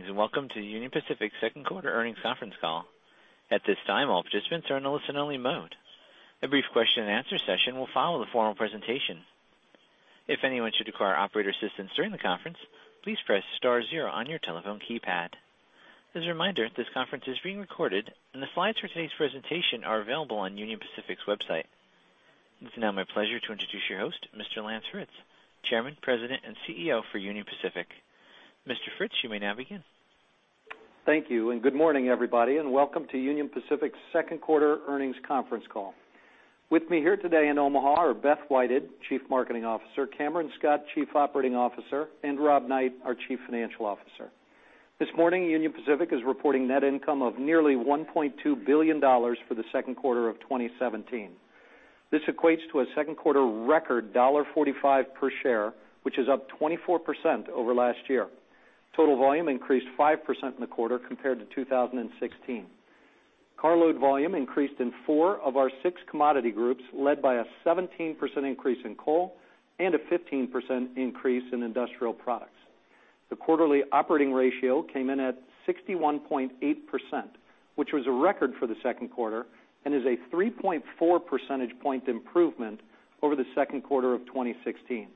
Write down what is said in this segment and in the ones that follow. Greetings, welcome to Union Pacific's second quarter earnings conference call. At this time, all participants are in a listen-only mode. A brief question-and-answer session will follow the formal presentation. If anyone should require operator assistance during the conference, please press star zero on your telephone keypad. As a reminder, this conference is being recorded, and the slides for today's presentation are available on Union Pacific's website. It is now my pleasure to introduce your host, Mr. Lance Fritz, Chairman, President, and CEO for Union Pacific. Mr. Fritz, you may now begin. Thank you, good morning, everybody, welcome to Union Pacific's second quarter earnings conference call. With me here today in Omaha are Beth Whited, Chief Marketing Officer, Cameron Scott, Chief Operating Officer, and Rob Knight, our Chief Financial Officer. This morning, Union Pacific is reporting net income of nearly $1.2 billion for the second quarter of 2017. This equates to a second quarter record $1.45 per share, which is up 24% over last year. Total volume increased 5% in the quarter compared to 2016. Carload volume increased in four of our six commodity groups, led by a 17% increase in coal and a 15% increase in industrial products. The quarterly operating ratio came in at 61.8%, which was a record for the second quarter and is a 3.4 percentage point improvement over the second quarter of 2016.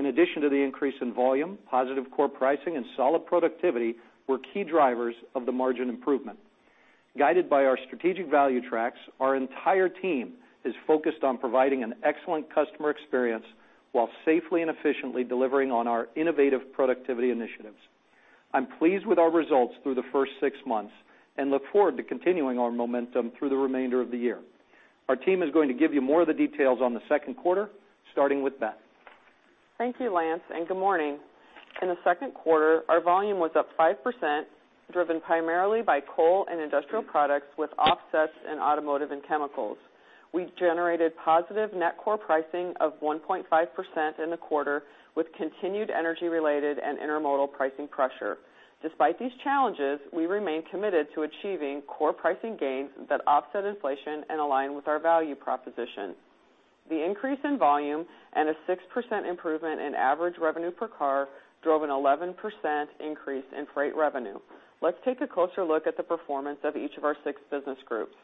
In addition to the increase in volume, positive core pricing and solid productivity were key drivers of the margin improvement. Guided by our strategic value tracks, our entire team is focused on providing an excellent customer experience while safely and efficiently delivering on our innovative productivity initiatives. I'm pleased with our results through the first six months and look forward to continuing our momentum through the remainder of the year. Our team is going to give you more of the details on the second quarter, starting with Beth. Thank you, Lance, good morning. In the second quarter, our volume was up 5%, driven primarily by coal and industrial products with offsets in automotive and chemicals. We generated positive net core pricing of 1.5% in the quarter with continued energy-related and intermodal pricing pressure. Despite these challenges, we remain committed to achieving core pricing gains that offset inflation and align with our value proposition. The increase in volume and a 6% improvement in average revenue per car drove an 11% increase in freight revenue. Let's take a closer look at the performance of each of our six business groups.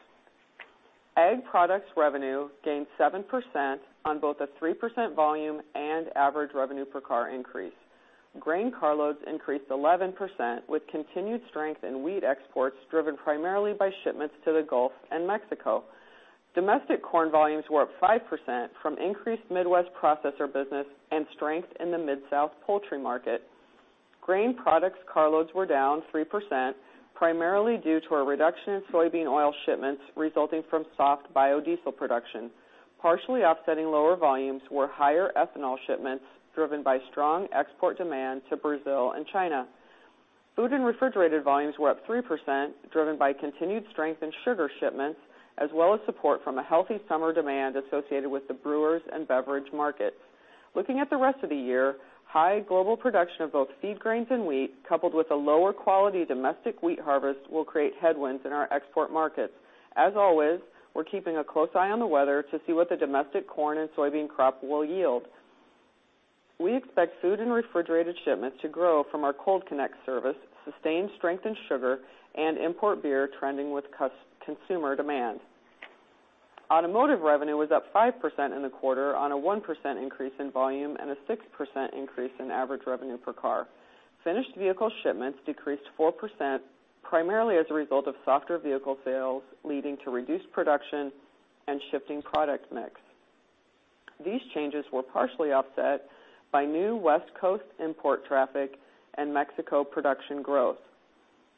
Ag products revenue gained 7% on both a 3% volume and average revenue per car increase. Grain carloads increased 11%, with continued strength in wheat exports, driven primarily by shipments to the Gulf and Mexico. Domestic corn volumes were up 5% from increased Midwest processor business and strength in the Mid-South poultry market. Grain products carloads were down 3%, primarily due to a reduction in soybean oil shipments resulting from soft biodiesel production. Partially offsetting lower volumes were higher ethanol shipments, driven by strong export demand to Brazil and China. Food and refrigerated volumes were up 3%, driven by continued strength in sugar shipments, as well as support from a healthy summer demand associated with the brewers and beverage markets. Looking at the rest of the year, high global production of both feed grains and wheat, coupled with a lower-quality domestic wheat harvest, will create headwinds in our export markets. As always, we're keeping a close eye on the weather to see what the domestic corn and soybean crop will yield. We expect food and refrigerated shipments to grow from our Cold Connect service, sustained strength in sugar, and import beer trending with consumer demand. Automotive revenue was up 5% in the quarter on a 1% increase in volume and a 6% increase in average revenue per car. Finished vehicle shipments decreased 4%, primarily as a result of softer vehicle sales, leading to reduced production and shifting product mix. These changes were partially offset by new West Coast import traffic and Mexico production growth.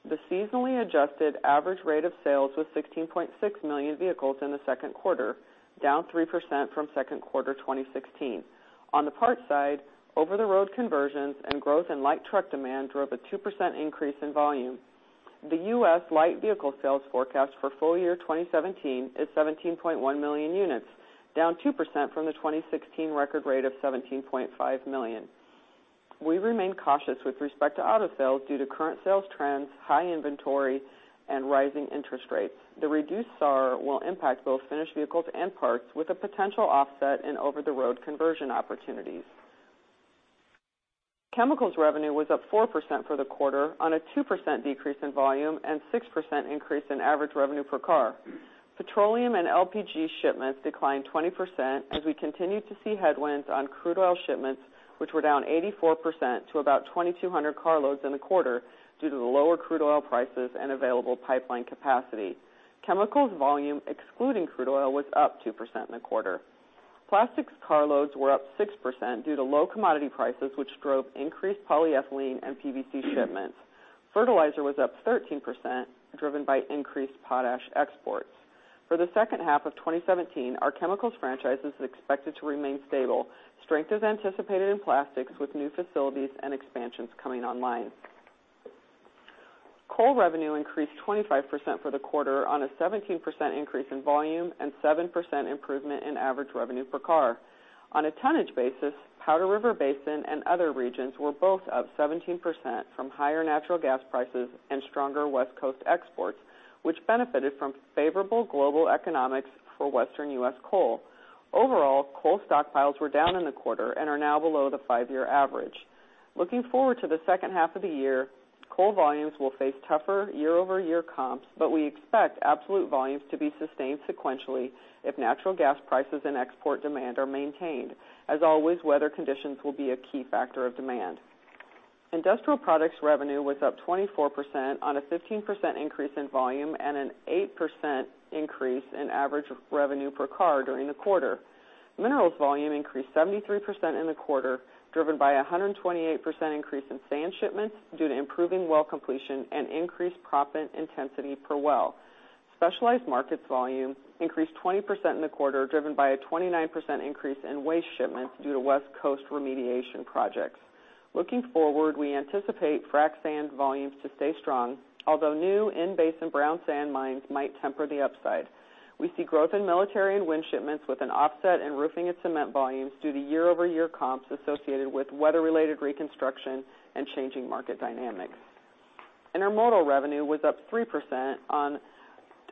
The seasonally adjusted average rate of sales was 16.6 million vehicles in the second quarter, down 3% from second quarter 2016. On the parts side, over-the-road conversions and growth in light truck demand drove a 2% increase in volume. The U.S. light vehicle sales forecast for full year 2017 is 17.1 million units, down 2% from the 2016 record rate of 17.5 million. We remain cautious with respect to auto sales due to current sales trends, high inventory, and rising interest rates. The reduced SAAR will impact both finished vehicles and parts with a potential offset in over-the-road conversion opportunities. Chemicals revenue was up 4% for the quarter on a 2% decrease in volume and 6% increase in average revenue per car. Petroleum and LPG shipments declined 20% as we continued to see headwinds on crude oil shipments, which were down 84% to about 2,200 carloads in the quarter due to the lower crude oil prices and available pipeline capacity. Chemicals volume, excluding crude oil, was up 2% in the quarter. Plastics carloads were up 6% due to low commodity prices, which drove increased polyethylene and PVC shipments. Fertilizer was up 13%, driven by increased potash exports. For the second half of 2017, our chemicals franchise is expected to remain stable. Strength is anticipated in plastics with new facilities and expansions coming online. Coal revenue increased 25% for the quarter on a 17% increase in volume and 7% improvement in average revenue per car. On a tonnage basis, Powder River Basin and other regions were both up 17% from higher natural gas prices and stronger West Coast exports, which benefited from favorable global economics for Western U.S. coal. Overall, coal stockpiles were down in the quarter and are now below the five-year average. Looking forward to the second half of the year, coal volumes will face tougher year-over-year comps, but we expect absolute volumes to be sustained sequentially if natural gas prices and export demand are maintained. As always, weather conditions will be a key factor of demand. Industrial products revenue was up 24% on a 15% increase in volume and an 8% increase in average revenue per car during the quarter. Minerals volume increased 73% in the quarter, driven by a 128% increase in sand shipments due to improving well completion and increased proppant intensity per well. Specialized markets volume increased 20% in the quarter, driven by a 29% increase in waste shipments due to West Coast remediation projects. Looking forward, we anticipate frac sand volumes to stay strong, although new in-basin brown sand mines might temper the upside. We see growth in military and wind shipments with an offset in roofing and cement volumes due to year-over-year comps associated with weather-related reconstruction and changing market dynamics. Intermodal revenue was up 3% on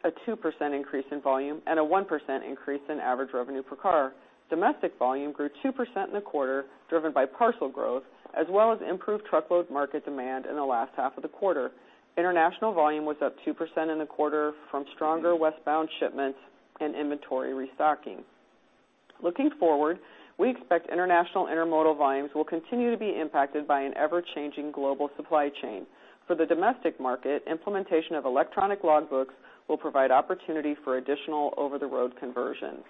a 2% increase in volume and a 1% increase in average revenue per car. Domestic volume grew 2% in the quarter, driven by parcel growth, as well as improved truckload market demand in the last half of the quarter. International volume was up 2% in the quarter from stronger westbound shipments and inventory restocking. Looking forward, we expect international intermodal volumes will continue to be impacted by an ever-changing global supply chain. For the domestic market, implementation of electronic logbooks will provide opportunity for additional over-the-road conversions.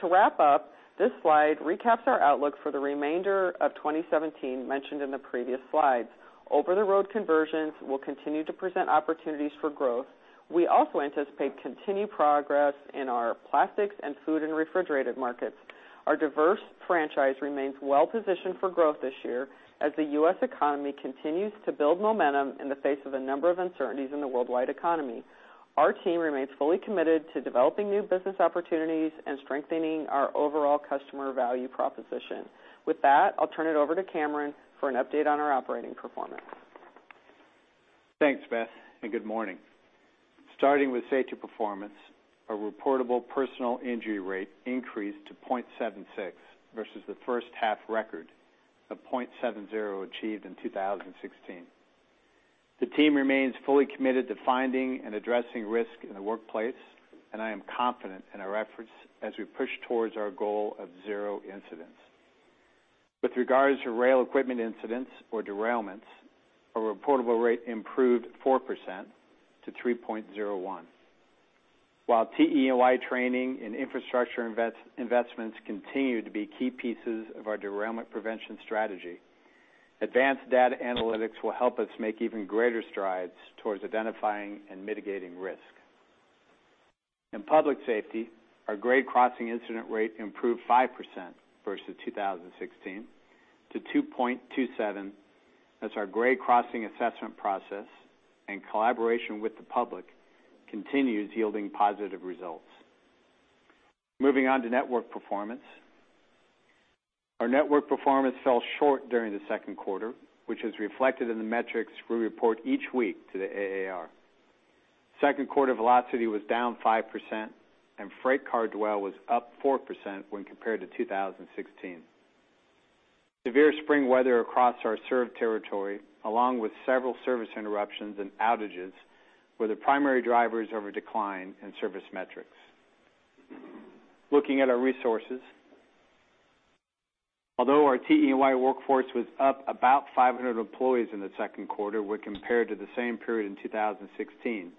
To wrap up, this slide recaps our outlook for the remainder of 2017 mentioned in the previous slides. Over-the-road conversions will continue to present opportunities for growth. We also anticipate continued progress in our plastics and food and refrigerated markets. Our diverse franchise remains well-positioned for growth this year as the U.S. economy continues to build momentum in the face of a number of uncertainties in the worldwide economy. Our team remains fully committed to developing new business opportunities and strengthening our overall customer value proposition. With that, I'll turn it over to Cameron for an update on our operating performance. Thanks, Beth, and good morning. Starting with safety performance, our reportable personal injury rate increased to 0.76 versus the first half record of 0.70 achieved in 2016. The team remains fully committed to finding and addressing risk in the workplace, and I am confident in our efforts as we push towards our goal of zero incidents. With regards to rail equipment incidents or derailments, our reportable rate improved 4% to 3.01. While TE&Y training and infrastructure investments continue to be key pieces of our derailment prevention strategy, advanced data analytics will help us make even greater strides towards identifying and mitigating risk. In public safety, our grade crossing incident rate improved 5% versus 2016 to 2.27, as our grade crossing assessment process and collaboration with the public continues yielding positive results. Moving on to network performance. Our network performance fell short during the second quarter, which is reflected in the metrics we report each week to the AAR. Second quarter velocity was down 5%, and freight car dwell was up 4% when compared to 2016. Severe spring weather across our served territory, along with several service interruptions and outages, were the primary drivers of a decline in service metrics. Looking at our resources. Although our TE&Y workforce was up about 500 employees in the second quarter when compared to the same period in 2016,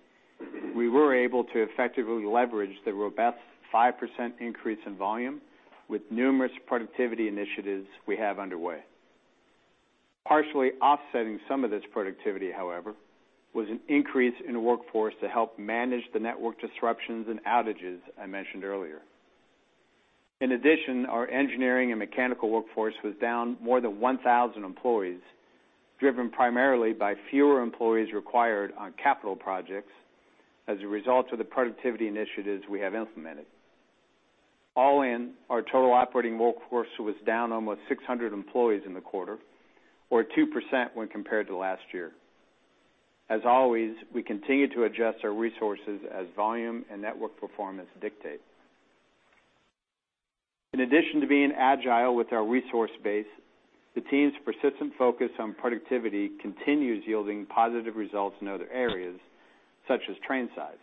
we were able to effectively leverage the robust 5% increase in volume with numerous productivity initiatives we have underway. Partially offsetting some of this productivity, however, was an increase in the workforce to help manage the network disruptions and outages I mentioned earlier. Our engineering and mechanical workforce was down more than 1,000 employees, driven primarily by fewer employees required on capital projects as a result of the productivity initiatives we have implemented. All in, our total operating workforce was down almost 600 employees in the quarter, or 2% when compared to last year. As always, we continue to adjust our resources as volume and network performance dictate. In addition to being agile with our resource base, the team's persistent focus on productivity continues yielding positive results in other areas, such as train size.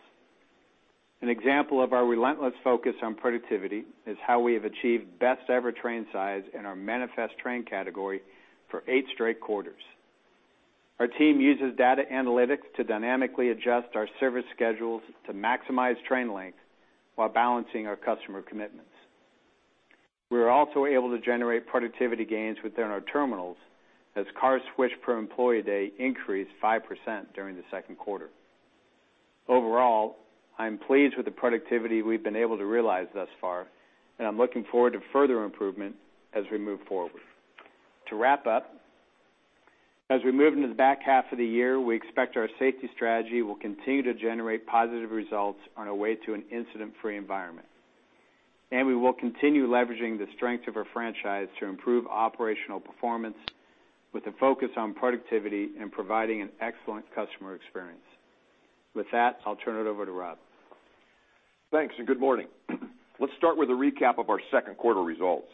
An example of our relentless focus on productivity is how we have achieved best-ever train size in our manifest train category for eight straight quarters. Our team uses data analytics to dynamically adjust our service schedules to maximize train length while balancing our customer commitments. We were also able to generate productivity gains within our terminals as cars switched per employee day increased 5% during the second quarter. Overall, I am pleased with the productivity we've been able to realize thus far, and I'm looking forward to further improvement as we move forward. To wrap up, as we move into the back half of the year, we expect our safety strategy will continue to generate positive results on our way to an incident-free environment. We will continue leveraging the strength of our franchise to improve operational performance with a focus on productivity and providing an excellent customer experience. With that, I'll turn it over to Rob. Thanks, and good morning. Let's start with a recap of our second quarter results.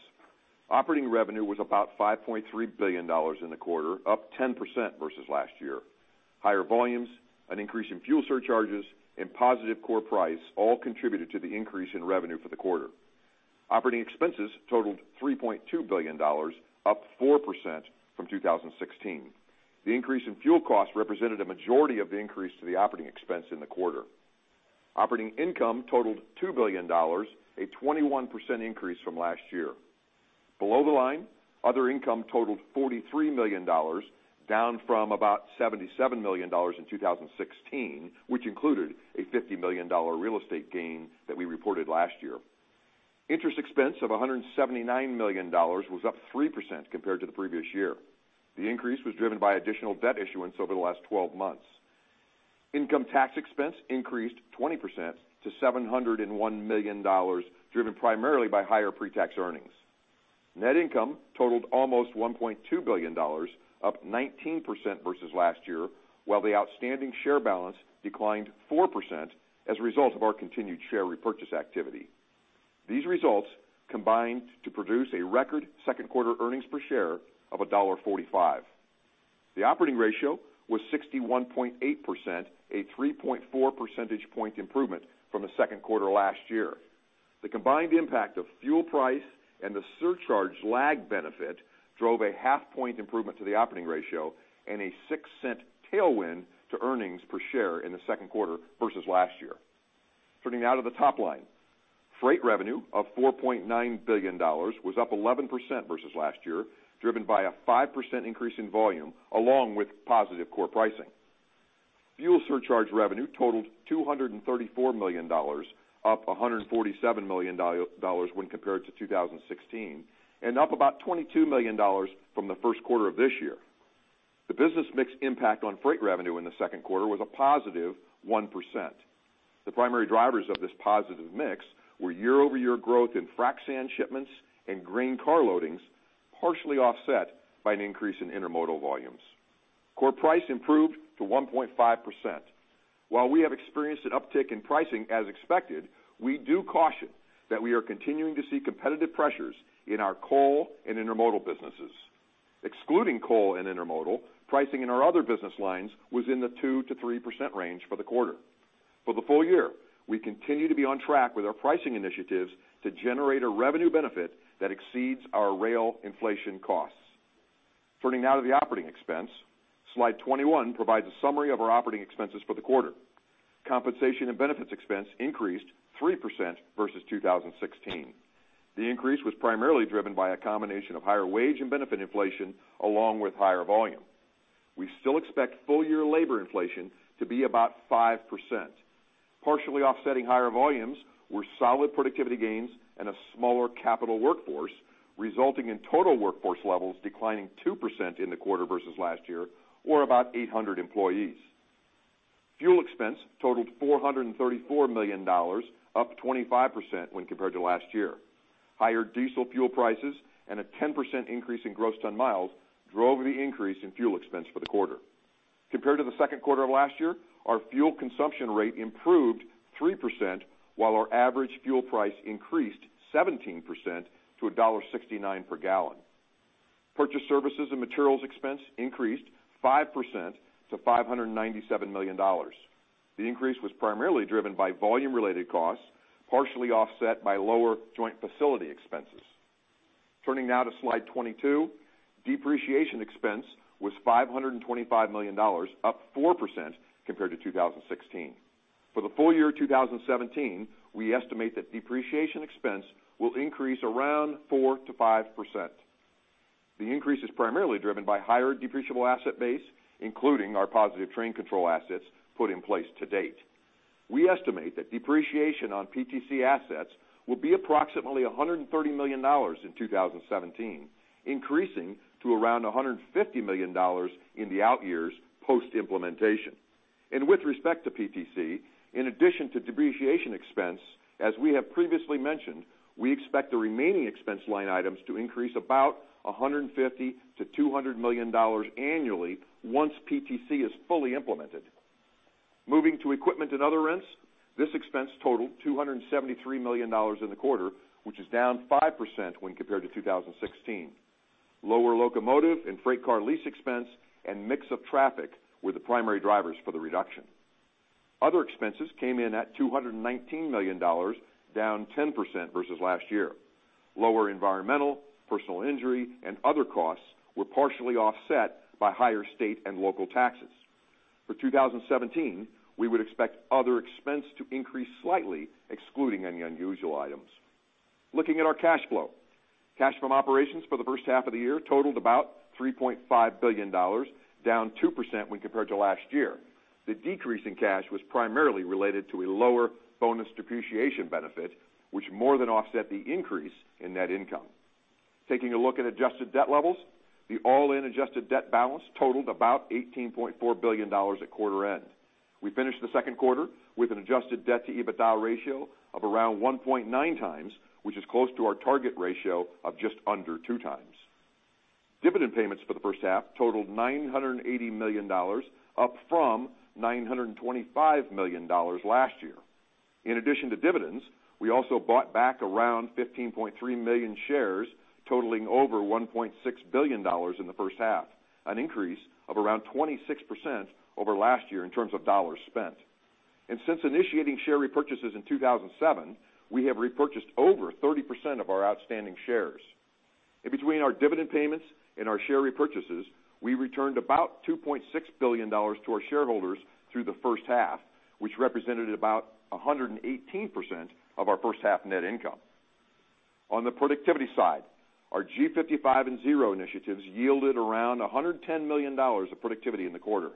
Operating revenue was about $5.3 billion in the quarter, up 10% versus last year. Higher volumes, an increase in fuel surcharges, and positive core price all contributed to the increase in revenue for the quarter. Operating expenses totaled $3.2 billion, up 4% from 2016. The increase in fuel costs represented a majority of the increase to the operating expense in the quarter. Operating income totaled $2 billion, a 21% increase from last year. Below the line, other income totaled $43 million, down from about $77 million in 2016, which included a $50 million real estate gain that we reported last year. Interest expense of $179 million was up 3% compared to the previous year. The increase was driven by additional debt issuance over the last 12 months. Income tax expense increased 20% to $701 million, driven primarily by higher pre-tax earnings. Net income totaled almost $1.2 billion, up 19% versus last year, while the outstanding share balance declined 4% as a result of our continued share repurchase activity. These results combined to produce a record second quarter earnings per share of $1.45. The operating ratio was 61.8%, a 3.4 percentage point improvement from the second quarter last year. The combined impact of fuel price and the surcharge lag benefit drove a half point improvement to the operating ratio and a $0.06 tailwind to earnings per share in the second quarter versus last year. Turning now to the top line. Freight revenue of $4.9 billion was up 11% versus last year, driven by a 5% increase in volume along with positive core pricing. Fuel surcharge revenue totaled $234 million, up $147 million when compared to 2016, and up about $22 million from the first quarter of this year. The business mix impact on freight revenue in the second quarter was a positive 1%. The primary drivers of this positive mix were year-over-year growth in frac sand shipments and grain car loadings, partially offset by an increase in intermodal volumes. Core price improved to 1.5%. While we have experienced an uptick in pricing as expected, we do caution that we are continuing to see competitive pressures in our coal and intermodal businesses. Excluding coal and intermodal, pricing in our other business lines was in the 2%-3% range for the quarter. For the full year, we continue to be on track with our pricing initiatives to generate a revenue benefit that exceeds our rail inflation costs. Turning now to the operating expense. Slide 21 provides a summary of our operating expenses for the quarter. Compensation and benefits expense increased 3% versus 2016. The increase was primarily driven by a combination of higher wage and benefit inflation along with higher volume. We still expect full-year labor inflation to be about 5%. Partially offsetting higher volumes were solid productivity gains and a smaller capital workforce, resulting in total workforce levels declining 2% in the quarter versus last year, or about 800 employees. Fuel expense totaled $434 million, up 25% when compared to last year. Higher diesel fuel prices and a 10% increase in gross ton miles drove the increase in fuel expense for the quarter. Compared to the second quarter of last year, our fuel consumption rate improved 3%, while our average fuel price increased 17% to $1.69 per gallon. Purchase services and materials expense increased 5% to $597 million. The increase was primarily driven by volume-related costs, partially offset by lower joint facility expenses. Turning now to Slide 22. Depreciation expense was $525 million, up 4% compared to 2016. For the full-year 2017, we estimate that depreciation expense will increase around 4%-5%. The increase is primarily driven by higher depreciable asset base, including our positive train control assets put in place to date. We estimate that depreciation on PTC assets will be approximately $130 million in 2017, increasing to around $150 million in the out years post-implementation. With respect to PTC, in addition to depreciation expense, as we have previously mentioned, we expect the remaining expense line items to increase about $150 million-$200 million annually once PTC is fully implemented. Moving to equipment and other rents, this expense totaled $273 million in the quarter, which is down 5% when compared to 2016. Lower locomotive and freight car lease expense and mix of traffic were the primary drivers for the reduction. Other expenses came in at $219 million, down 10% versus last year. Lower environmental, personal injury, and other costs were partially offset by higher state and local taxes. For 2017, we would expect other expense to increase slightly, excluding any unusual items. Looking at our cash flow. Cash from operations for the first half of the year totaled about $3.5 billion, down 2% when compared to last year. The decrease in cash was primarily related to a lower bonus depreciation benefit, which more than offset the increase in net income. Taking a look at adjusted debt levels, the all-in adjusted debt balance totaled about $18.4 billion at quarter end. We finished the second quarter with an adjusted debt-to-EBITDA ratio of around 1.9x, which is close to our target ratio of just under 2x. Dividend payments for the first half totaled $980 million, up from $925 million last year. In addition to dividends, we also bought back around 15.3 million shares, totaling over $1.6 billion in the first half, an increase of around 26% over last year in terms of dollars spent. Since initiating share repurchases in 2007, we have repurchased over 30% of our outstanding shares. Between our dividend payments and our share repurchases, we returned about $2.6 billion to our shareholders through the first half, which represented about 118% of our first half net income. On the productivity side, our G55 and Zero initiatives yielded around $110 million of productivity in the quarter.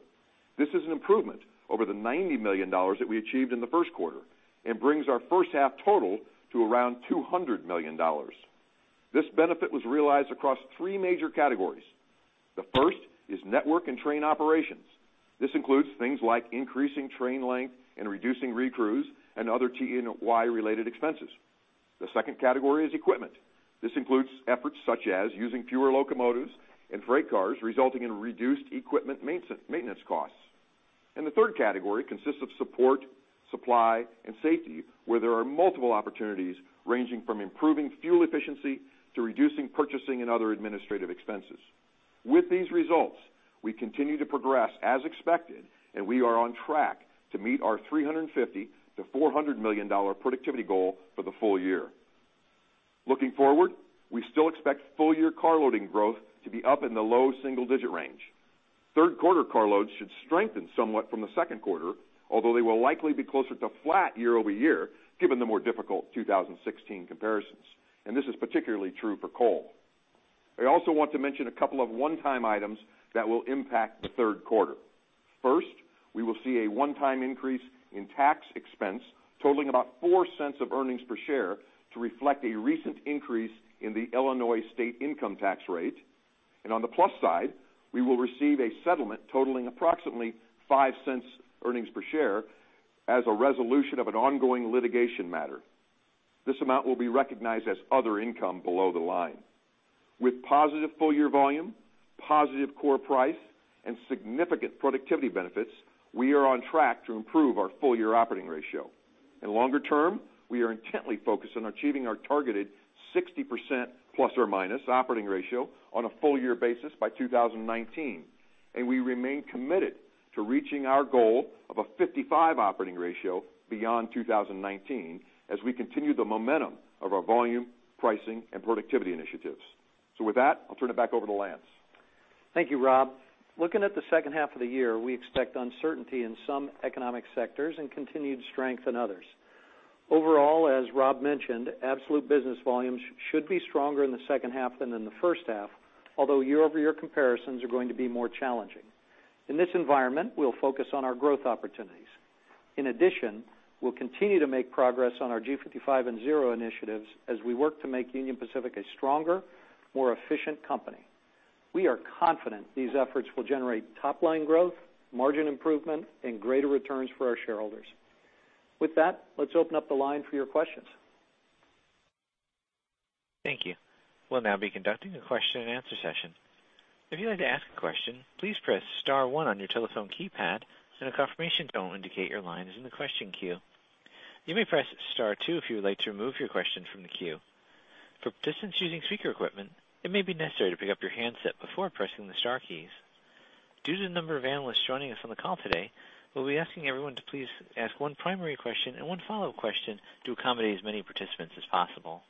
This is an improvement over the $90 million that we achieved in the first quarter and brings our first half total to around $200 million. This benefit was realized across 3 major categories. The first is network and train operations. This includes things like increasing train length and reducing recrews and other TE&Y related expenses. The second category is equipment. This includes efforts such as using fewer locomotives and freight cars, resulting in reduced equipment maintenance costs. The third category consists of support, supply, and safety, where there are multiple opportunities ranging from improving fuel efficiency to reducing purchasing and other administrative expenses. With these results, we continue to progress as expected, and we are on track to meet our $350 million-$400 million productivity goal for the full year. Looking forward, we still expect full-year car loading growth to be up in the low single-digit range. Third quarter car loads should strengthen somewhat from the second quarter, although they will likely be closer to flat year-over-year, given the more difficult 2016 comparisons. This is particularly true for coal. I also want to mention a couple of one-time items that will impact the third quarter. First, we will see a one-time increase in tax expense totaling about $0.04 of earnings per share to reflect a recent increase in the Illinois state income tax rate. On the plus side, we will receive a settlement totaling approximately $0.05 earnings per share as a resolution of an ongoing litigation matter. This amount will be recognized as other income below the line. With positive full-year volume, positive core price, and significant productivity benefits, we are on track to improve our full-year operating ratio. Longer term, we are intently focused on achieving our targeted 60% ± operating ratio on a full-year basis by 2019. We remain committed to reaching our goal of a 55 operating ratio beyond 2019 as we continue the momentum of our volume, pricing, and productivity initiatives. With that, I'll turn it back over to Lance. Thank you, Rob. Looking at the second half of the year, we expect uncertainty in some economic sectors and continued strength in others. Overall, as Rob mentioned, absolute business volumes should be stronger in the second half than in the first half, although year-over-year comparisons are going to be more challenging. In this environment, we'll focus on our growth opportunities. In addition, we'll continue to make progress on our G55 and Zero initiatives as we work to make Union Pacific a stronger, more efficient company. We are confident these efforts will generate top-line growth, margin improvement, and greater returns for our shareholders. With that, let's open up the line for your questions. Thank you. We'll now be conducting a question and answer session. If you'd like to ask a question, please press *1 on your telephone keypad and a confirmation tone will indicate your line is in the question queue. You may press *2 if you would like to remove your question from the queue. For participants using speaker equipment, it may be necessary to pick up your handset before pressing the star keys. Due to the number of analysts joining us on the call today, we'll be asking everyone to please ask one primary question and one follow-up question to accommodate as many participants as possible.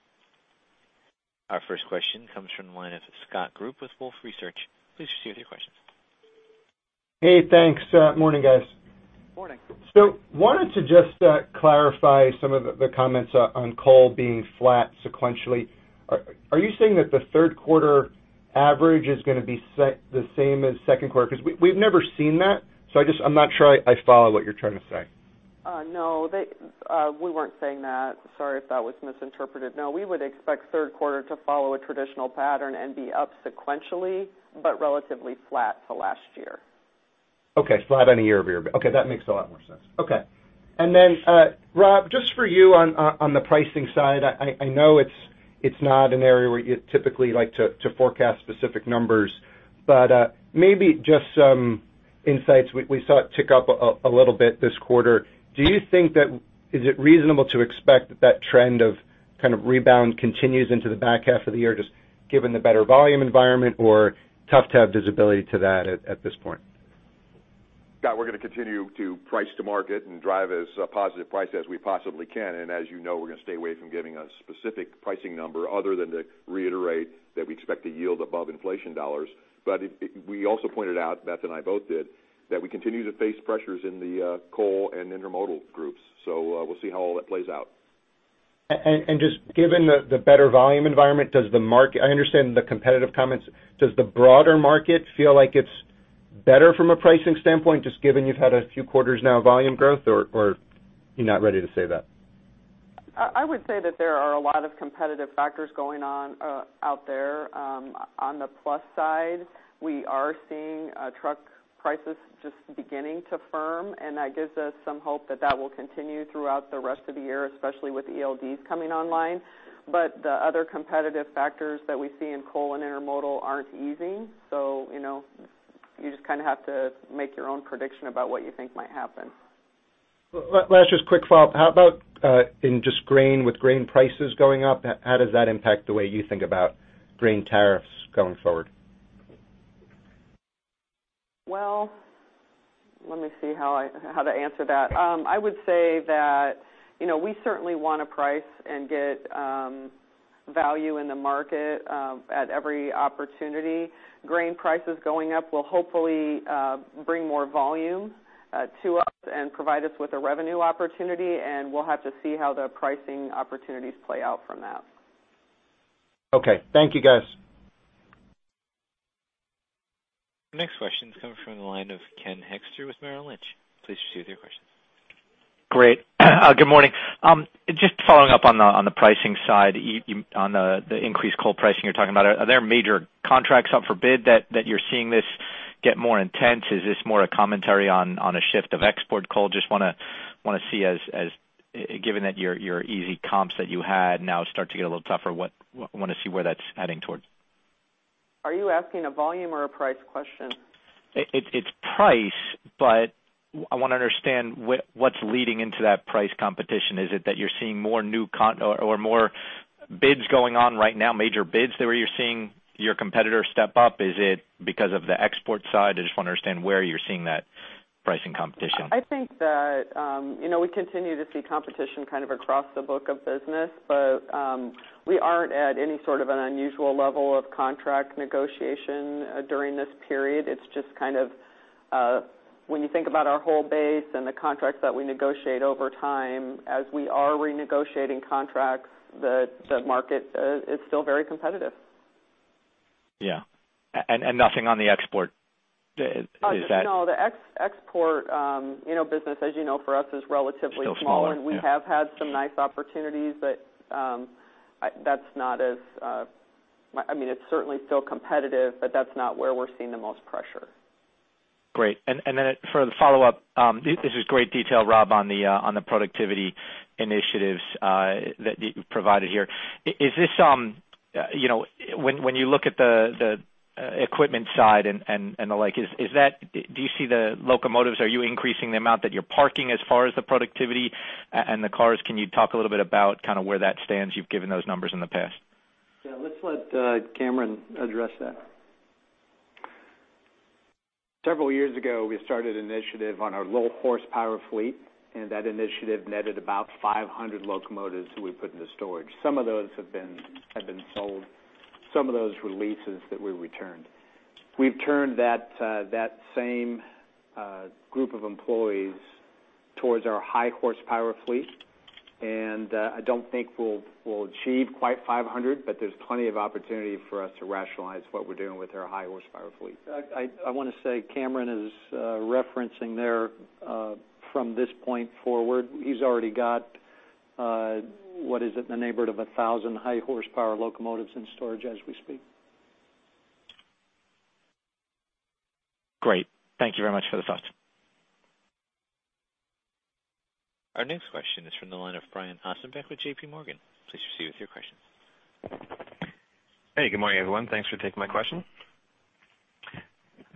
Our first question comes from the line of Scott Group with Wolfe Research. Please proceed with your questions. Hey, thanks. Morning, guys. Morning. wanted to just clarify some of the comments on coal being flat sequentially. Are you saying that the third quarter average is going to be the same as second quarter? Because we've never seen that, so I'm not sure I follow what you're trying to say. We weren't saying that. Sorry if that was misinterpreted. We would expect third quarter to follow a traditional pattern and be up sequentially, but relatively flat to last year. Flat on a year-over-year. That makes a lot more sense. Rob, just for you on the pricing side, I know it's not an area where you typically like to forecast specific numbers, but maybe just some insights. We saw it tick up a little bit this quarter. Is it reasonable to expect that trend of kind of rebound continues into the back half of the year, just given the better volume environment, or tough to have visibility to that at this point? Scott, we're going to continue to price to market and drive as a positive price as we possibly can. As you know, we're going to stay away from giving a specific pricing number other than to reiterate that we expect to yield above inflation dollars. We also pointed out, Beth and I both did, that we continue to face pressures in the coal and intermodal groups. We'll see how all that plays out. Just given the better volume environment, I understand the competitive comments, does the broader market feel like it's better from a pricing standpoint, just given you've had a few quarters now of volume growth, or you're not ready to say that? I would say that there are a lot of competitive factors going on out there. On the plus side, we are seeing truck prices just beginning to firm, and that gives us some hope that that will continue throughout the rest of the year, especially with ELDs coming online. The other competitive factors that we see in coal and intermodal aren't easing. You just have to make your own prediction about what you think might happen. Last just quick follow-up. How about in just grain, with grain prices going up, how does that impact the way you think about grain tariffs going forward? Well, let me see how to answer that. I would say that we certainly want to price and get value in the market at every opportunity. Grain prices going up will hopefully bring more volume to us and provide us with a revenue opportunity, and we'll have to see how the pricing opportunities play out from that. Okay, thank you, guys. The next question is coming from the line of Ken Hoexter with Merrill Lynch. Please proceed with your questions. Great. Good morning. Just following up on the pricing side, on the increased coal pricing you're talking about. Are there major contracts up for bid that you're seeing this get more intense? Is this more a commentary on a shift of export coal? Just want to see as, given that your easy comps that you had now start to get a little tougher, want to see where that's heading towards. Are you asking a volume or a price question? It's price. I want to understand what's leading into that price competition. Is it that you're seeing more new or more bids going on right now, major bids that you're seeing your competitors step up? Is it because of the export side? I just want to understand where you're seeing that pricing competition. I think that we continue to see competition kind of across the book of business. We aren't at any sort of an unusual level of contract negotiation during this period. It's just kind of, when you think about our whole base and the contracts that we negotiate over time, as we are renegotiating contracts, the market is still very competitive. Yeah. Nothing on the export. Is that- No, the export business, as you know, for us is relatively small. Still small, yeah. We have had some nice opportunities, but it's certainly still competitive, but that's not where we're seeing the most pressure. Great. Then for the follow-up, this is great detail, Rob, on the productivity initiatives that you provided here. When you look at the equipment side and the like, do you see the locomotives, are you increasing the amount that you're parking as far as the productivity and the cars? Can you talk a little bit about where that stands? You've given those numbers in the past. Yeah, let's let Cameron address that. Several years ago, we started an initiative on our low horsepower fleet. That initiative netted about 500 locomotives that we put into storage. Some of those have been sold. Some of those were leases that we returned. We've turned that same group of employees towards our high horsepower fleet. I don't think we'll achieve quite 500, there's plenty of opportunity for us to rationalize what we're doing with our high horsepower fleet. I want to say Cameron is referencing there from this point forward, he's already got, what is it, in the neighborhood of 1,000 high horsepower locomotives in storage as we speak. Great. Thank you very much for the thoughts. Our next question is from the line of Brian Ossenbeck with J.P. Morgan. Please proceed with your question. Hey, good morning, everyone. Thanks for taking my question.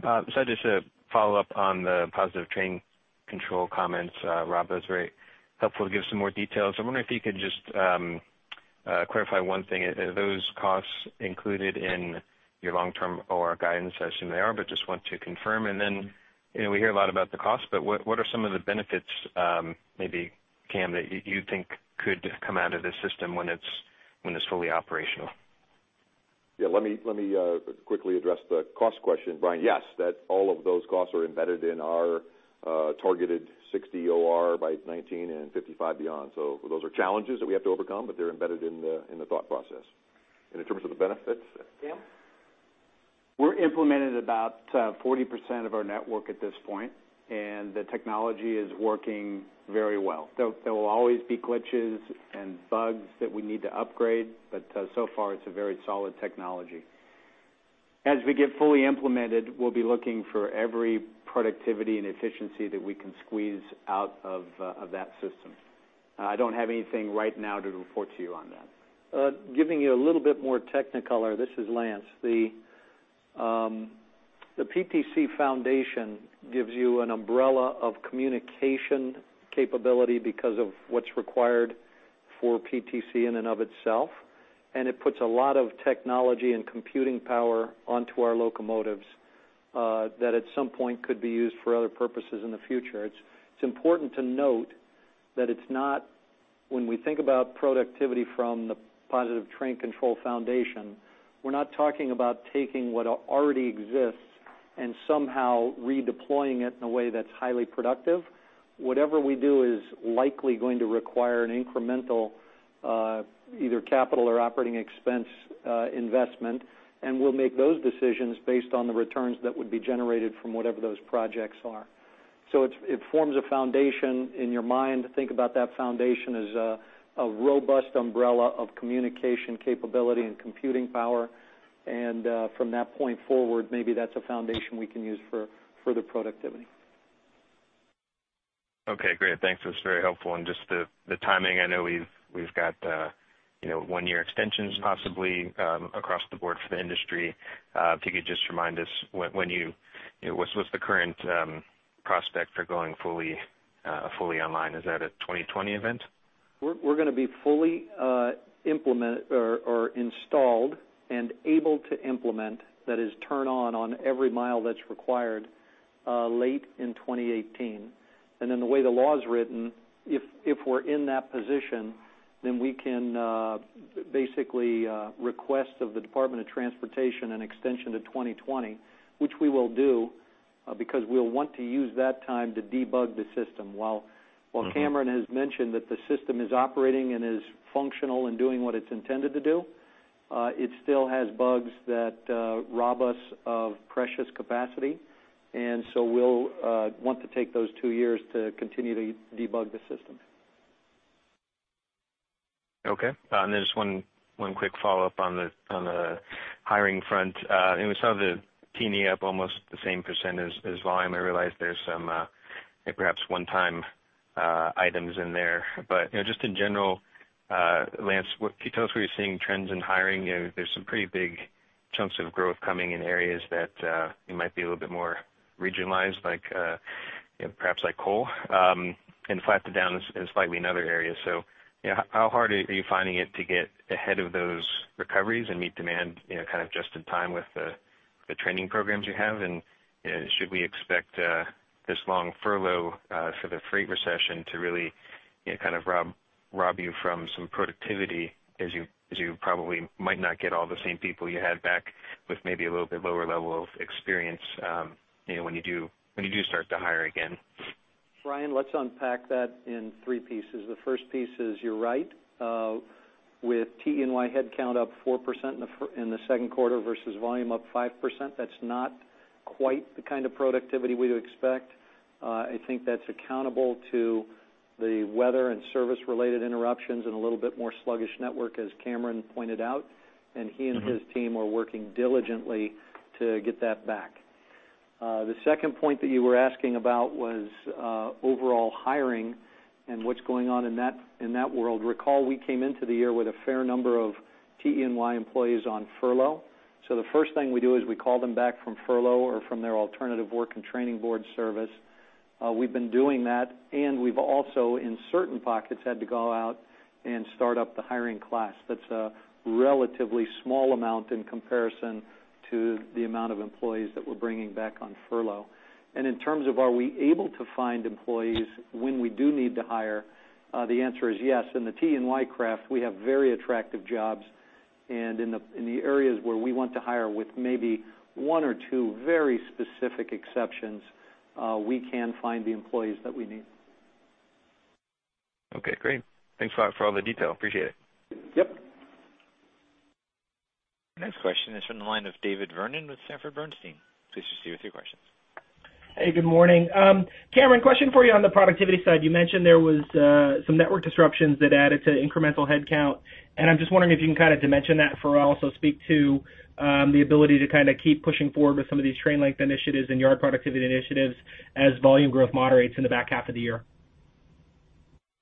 Just to follow up on the Positive Train Control comments, Rob, that was very helpful to give some more details. I'm wondering if you could just clarify one thing. Are those costs included in your long-term OR guidance? I assume they are, but just want to confirm. Then, we hear a lot about the cost, but what are some of the benefits, maybe Cam, that you think could come out of this system when it's fully operational? Yeah, let me quickly address the cost question, Brian. Yes, all of those costs are embedded in our targeted 60 OR by 2019 and 55 beyond. Those are challenges that we have to overcome, but they're embedded in the thought process. In terms of the benefits. Cam? We're implemented about 40% of our network at this point, and the technology is working very well. There will always be glitches and bugs that we need to upgrade, but so far, it's a very solid technology. As we get fully implemented, we'll be looking for every productivity and efficiency that we can squeeze out of that system. I don't have anything right now to report to you on that. Giving you a little bit more technicolor, this is Lance. The PTC foundation gives you an umbrella of communication capability because of what's required for PTC in and of itself, and it puts a lot of technology and computing power onto our locomotives, that at some point could be used for other purposes in the future. It's important to note that it's not when we think about productivity from the Positive Train Control foundation, we're not talking about taking what already exists and somehow redeploying it in a way that's highly productive. Whatever we do is likely going to require an incremental, either capital or operating expense investment, and we'll make those decisions based on the returns that would be generated from whatever those projects are. It forms a foundation in your mind to think about that foundation as a robust umbrella of communication capability and computing power. From that point forward, maybe that's a foundation we can use for further productivity. Okay, great. Thanks. That's very helpful. Just the timing, I know we've got one-year extensions possibly across the board for the industry. If you could just remind us what's the current prospect for going fully online? Is that a 2020 event? We're going to be fully installed and able to implement, that is turn on every mile that's required, late in 2018. Then the way the law is written, if we're in that position, then we can basically request of the Department of Transportation an extension to 2020, which we will do because we'll want to use that time to debug the system. While Cameron has mentioned that the system is operating and is functional and doing what it's intended to do, it still has bugs that rob us of precious capacity. So we'll want to take those two years to continue to debug the system. Okay. Then just one quick follow-up on the hiring front. We saw the TE&Y up almost the same % as volume. I realize there's some perhaps one-time items in there. Just in general, Lance, can you tell us where you're seeing trends in hiring? There's some pretty big chunks of growth coming in areas that might be a little bit more regionalized, perhaps like coal, and flattened down slightly in other areas. How hard are you finding it to get ahead of those recoveries and meet demand just in time with the training programs you have? Should we expect this long furlough for the freight recession to really rob you from some productivity as you probably might not get all the same people you had back with maybe a little bit lower level of experience when you do start to hire again? Brian, let's unpack that in three pieces. The first piece is you're right, with TE&Y headcount up 4% in the second quarter versus volume up 5%, that's not quite the kind of productivity we'd expect. I think that's accountable to the weather and service-related interruptions and a little bit more sluggish network, as Cameron pointed out, and he and his team are working diligently to get that back. The second point that you were asking about was overall hiring and what's going on in that world. Recall, we came into the year with a fair number of TE&Y employees on furlough. The first thing we do is we call them back from furlough or from their alternative work and training board service. We've been doing that, and we've also, in certain pockets, had to go out and start up the hiring class. That's a relatively small amount in comparison to the amount of employees that we're bringing back on furlough. In terms of are we able to find employees when we do need to hire, the answer is yes. In the TE&Y craft, we have very attractive jobs, and in the areas where we want to hire with maybe one or two very specific exceptions, we can find the employees that we need. Okay, great. Thanks for all the detail. Appreciate it. Yep. Next question is from the line of David Vernon with Sanford C. Bernstein. Please proceed with your questions. Hey, good morning. Cameron, question for you on the productivity side. You mentioned there was some network disruptions that added to incremental headcount. I'm just wondering if you can dimension that for us or speak to the ability to keep pushing forward with some of these train length initiatives and yard productivity initiatives as volume growth moderates in the back half of the year.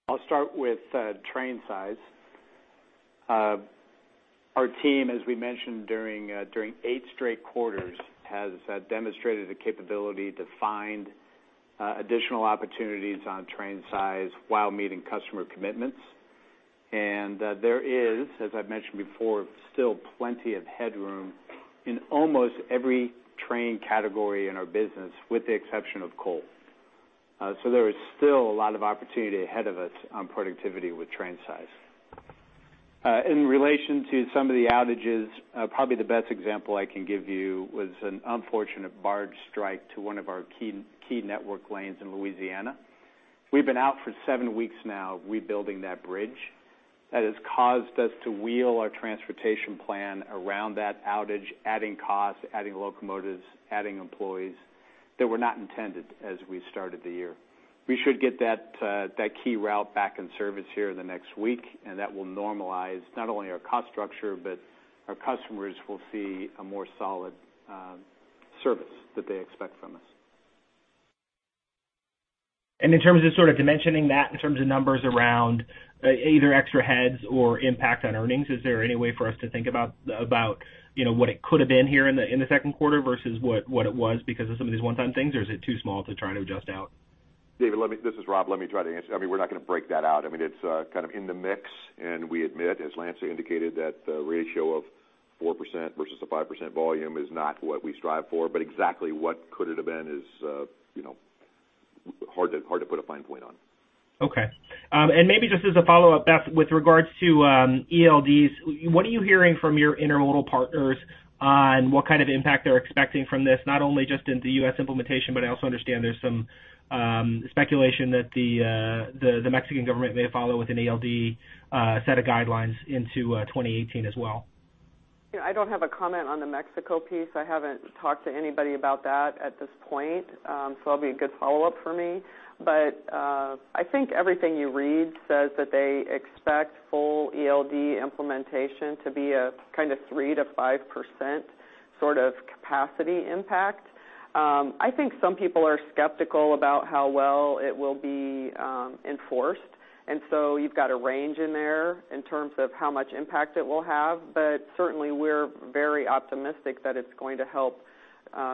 I'll start with train size. Our team, as we mentioned during eight straight quarters, has demonstrated the capability to find additional opportunities on train size while meeting customer commitments. There is, as I've mentioned before, still plenty of headroom in almost every train category in our business, with the exception of coal. There is still a lot of opportunity ahead of us on productivity with train size. In relation to some of the outages, probably the best example I can give you was an unfortunate barge strike to one of our key network lanes in Louisiana. We've been out for seven weeks now rebuilding that bridge. That has caused us to wheel our transportation plan around that outage, adding costs, adding locomotives, adding employees that were not intended as we started the year. We should get that key route back in service here in the next week, that will normalize not only our cost structure, but our customers will see a more solid service that they expect from us. In terms of dimensioning that, in terms of numbers around either extra heads or impact on earnings, is there any way for us to think about what it could have been here in the second quarter versus what it was because of some of these one-time things? Is it too small to try to adjust out? David, this is Rob, let me try to answer. We're not going to break that out. It's in the mix, and we admit, as Lance indicated, that the ratio of 4% versus a 5% volume is not what we strive for, but exactly what could it have been is hard to put a fine point on. Okay. Maybe just as a follow-up, Beth, with regards to ELDs, what are you hearing from your intermodal partners on what kind of impact they're expecting from this, not only just in the U.S. implementation, but I also understand there's some speculation that the Mexican government may follow with an ELD set of guidelines into 2018 as well. I don't have a comment on the Mexico piece. I haven't talked to anybody about that at this point, so that'll be a good follow-up for me. I think everything you read says that they expect full ELD implementation to be a kind of 3%-5% sort of capacity impact. I think some people are skeptical about how well it will be enforced. So you've got a range in there in terms of how much impact it will have. Certainly, we're very optimistic that it's going to help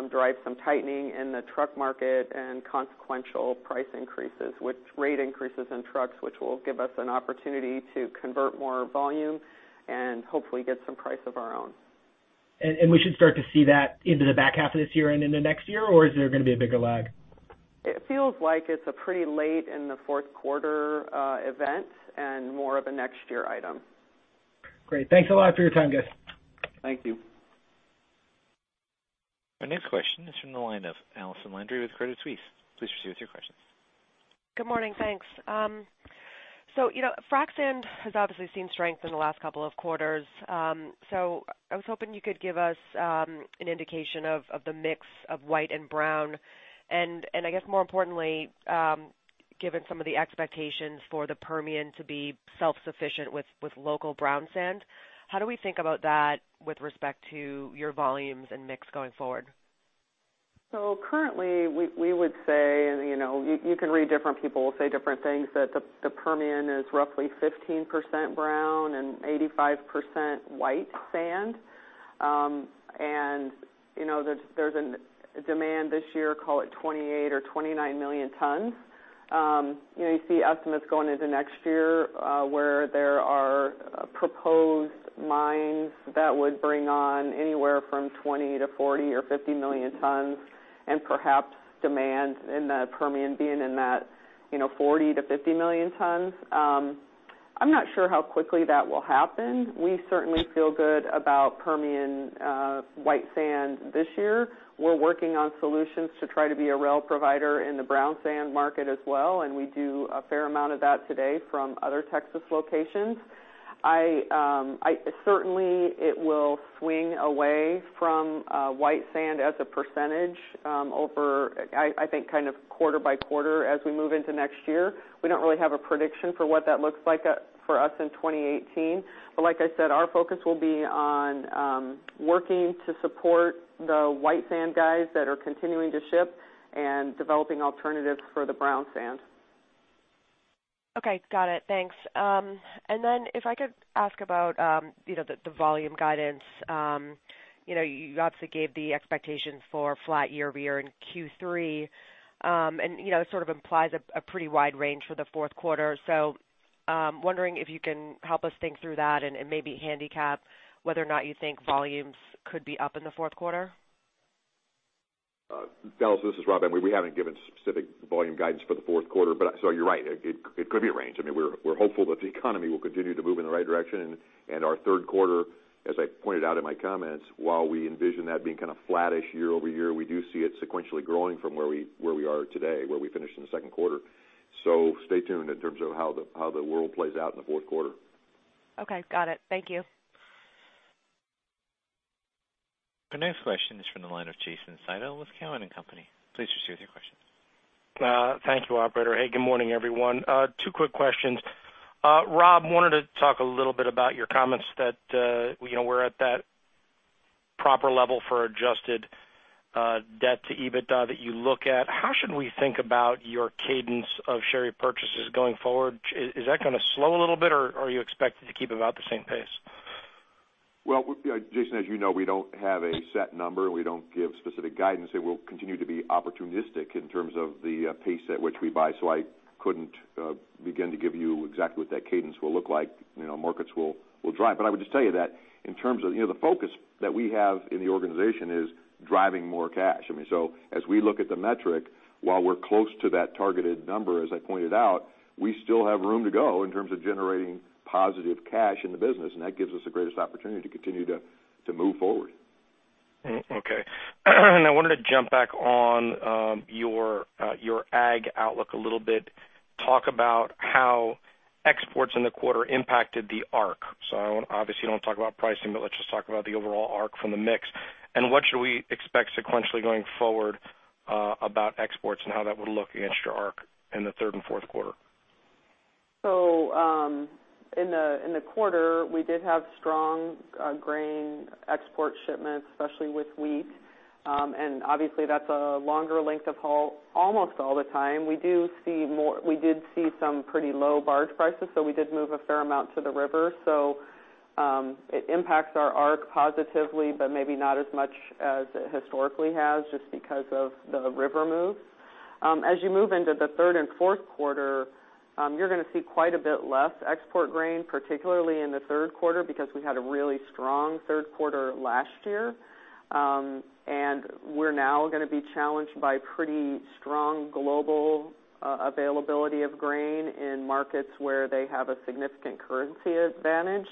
drive some tightening in the truck market and consequential price increases with rate increases in trucks, which will give us an opportunity to convert more volume and hopefully get some price of our own. We should start to see that into the back half of this year and into next year? Is there going to be a bigger lag? It feels like it's a pretty late in the fourth quarter event and more of a next year item. Great. Thanks a lot for your time, guys. Thank you. Our next question is from the line of Allison Landry with Credit Suisse. Please proceed with your questions. Good morning. Thanks. Frac sand has obviously seen strength in the last couple of quarters. I was hoping you could give us an indication of the mix of white and brown, and I guess more importantly, given some of the expectations for the Permian to be self-sufficient with local brown sand, how do we think about that with respect to your volumes and mix going forward? Currently, we would say, you can read different people will say different things, that the Permian is roughly 15% brown and 85% white sand. There's a demand this year, call it 28 or 29 million tons. You see estimates going into next year, where there are proposed mines that would bring on anywhere from 20 to 40 or 50 million tons and perhaps demand in the Permian being in that 40 to 50 million tons. I'm not sure how quickly that will happen. We certainly feel good about Permian white sand this year. We're working on solutions to try to be a rail provider in the brown sand market as well, and we do a fair amount of that today from other Texas locations. Certainly, it will swing away from white sand as a percentage over, I think, kind of quarter by quarter as we move into next year. We don't really have a prediction for what that looks like for us in 2018. Like I said, our focus will be on working to support the white sand guys that are continuing to ship and developing alternatives for the brown sand. Okay. Got it. Thanks. Then, if I could ask about the volume guidance. You obviously gave the expectations for flat year-over-year in Q3. It sort of implies a pretty wide range for the fourth quarter. Wondering if you can help us think through that and maybe handicap whether or not you think volumes could be up in the fourth quarter. Allison, this is Rob. We haven't given specific volume guidance for the fourth quarter. You're right, it could be a range. We're hopeful that the economy will continue to move in the right direction, and our third quarter, as I pointed out in my comments, while we envision that being kind of flattish year-over-year, we do see it sequentially growing from where we are today, where we finished in the second quarter. Stay tuned in terms of how the world plays out in the fourth quarter. Okay. Got it. Thank you. Our next question is from the line of Jason Seidl with Cowen and Company. Please proceed with your questions. Thank you, operator. Hey, good morning, everyone. Two quick questions. Rob, I wanted to talk a little bit about your comments that we're at that proper level for adjusted debt to EBITDA that you look at. How should we think about your cadence of share repurchases going forward? Is that going to slow a little bit, or are you expected to keep about the same pace? Well, Jason, as you know, we don't have a set number. We don't give specific guidance. It will continue to be opportunistic in terms of the pace at which we buy. I couldn't begin to give you exactly what that cadence will look like, markets will drive. I would just tell you that in terms of the focus that we have in the organization is driving more cash. As we look at the metric, while we're close to that targeted number, as I pointed out, we still have room to go in terms of generating positive cash in the business, and that gives us the greatest opportunity to continue to move forward. Okay. I wanted to jump back on your ag outlook a little bit. Talk about how exports in the quarter impacted the ARC. Obviously, you don't want to talk about pricing, but let's just talk about the overall ARC from the mix. What should we expect sequentially going forward about exports and how that would look against your ARC in the third and fourth quarter? In the quarter, we did have strong grain export shipments, especially with wheat. Obviously, that's a longer length of haul almost all the time. We did see some pretty low barge prices, so we did move a fair amount to the river. It impacts our ARC positively, but maybe not as much as it historically has just because of the river move. As you move into the third and fourth quarter, you're going to see quite a bit less export grain, particularly in the third quarter, because we had a really strong third quarter last year. We're now going to be challenged by pretty strong global availability of grain in markets where they have a significant currency advantage.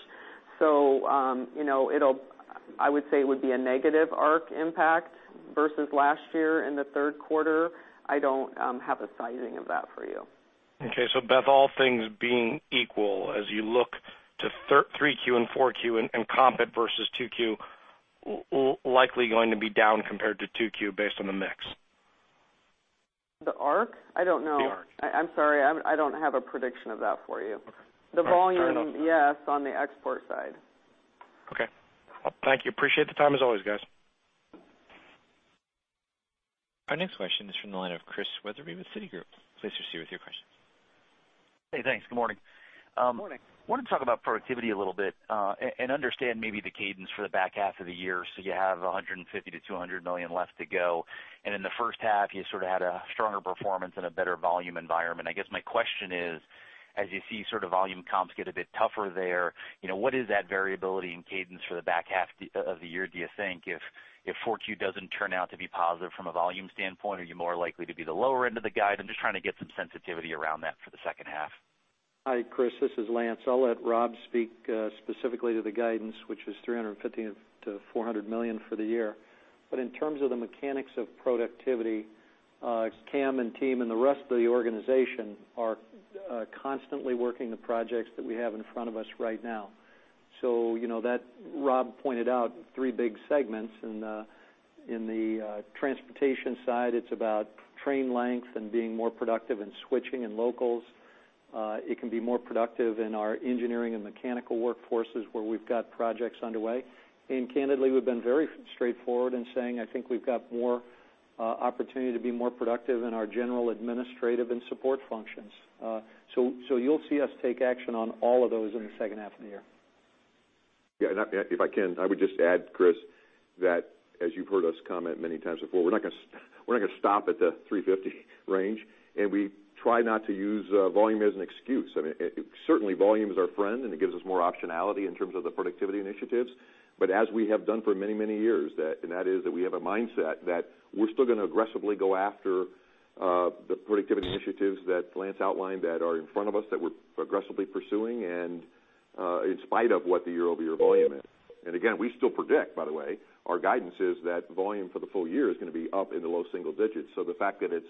I would say it would be a negative ARC impact versus last year in the third quarter. I don't have a sizing of that for you. Okay. Beth, all things being equal, as you look to 3Q and 4Q and comp it versus 2Q, likely going to be down compared to 2Q based on the mix. The ARC? I don't know. The ARC. I'm sorry, I don't have a prediction of that for you. Okay. All right, fair enough. The volume, yes, on the export side. Okay. Thank you. Appreciate the time as always, guys. Our next question is from the line of Christian Wetherbee with Citigroup. Please proceed with your question. Hey, thanks. Good morning. Good morning. Wanted to talk about productivity a little bit, and understand maybe the cadence for the back half of the year. You have $150 million-$200 million left to go. In the first half, you sort of had a stronger performance and a better volume environment. I guess my question is, as you see volume comps get a bit tougher there, what is that variability in cadence for the back half of the year, do you think? If Q4 doesn't turn out to be positive from a volume standpoint, are you more likely to be the lower end of the guide? I'm just trying to get some sensitivity around that for the second half. Hi, Chris. This is Lance. I'll let Rob speak specifically to the guidance, which is $350 million-$400 million for the year. In terms of the mechanics of productivity, Cam and team and the rest of the organization are constantly working the projects that we have in front of us right now. Rob pointed out three big segments. In the transportation side, it's about train length and being more productive in switching and locals. It can be more productive in our engineering and mechanical workforces where we've got projects underway. Candidly, we've been very straightforward in saying, I think we've got more opportunity to be more productive in our general administrative and support functions. You'll see us take action on all of those in the second half of the year. Yeah, if I can, I would just add, Chris, that as you've heard us comment many times before, we're not going to stop at the $350 million range, and we try not to use volume as an excuse. Certainly, volume is our friend, and it gives us more optionality in terms of the productivity initiatives. As we have done for many years, and that is that we have a mindset that we're still going to aggressively go after the productivity initiatives that Lance outlined that are in front of us, that we're aggressively pursuing, and in spite of what the year-over-year volume is. Again, we still predict, by the way, our guidance is that volume for the full year is going to be up in the low single digits. The fact that it's,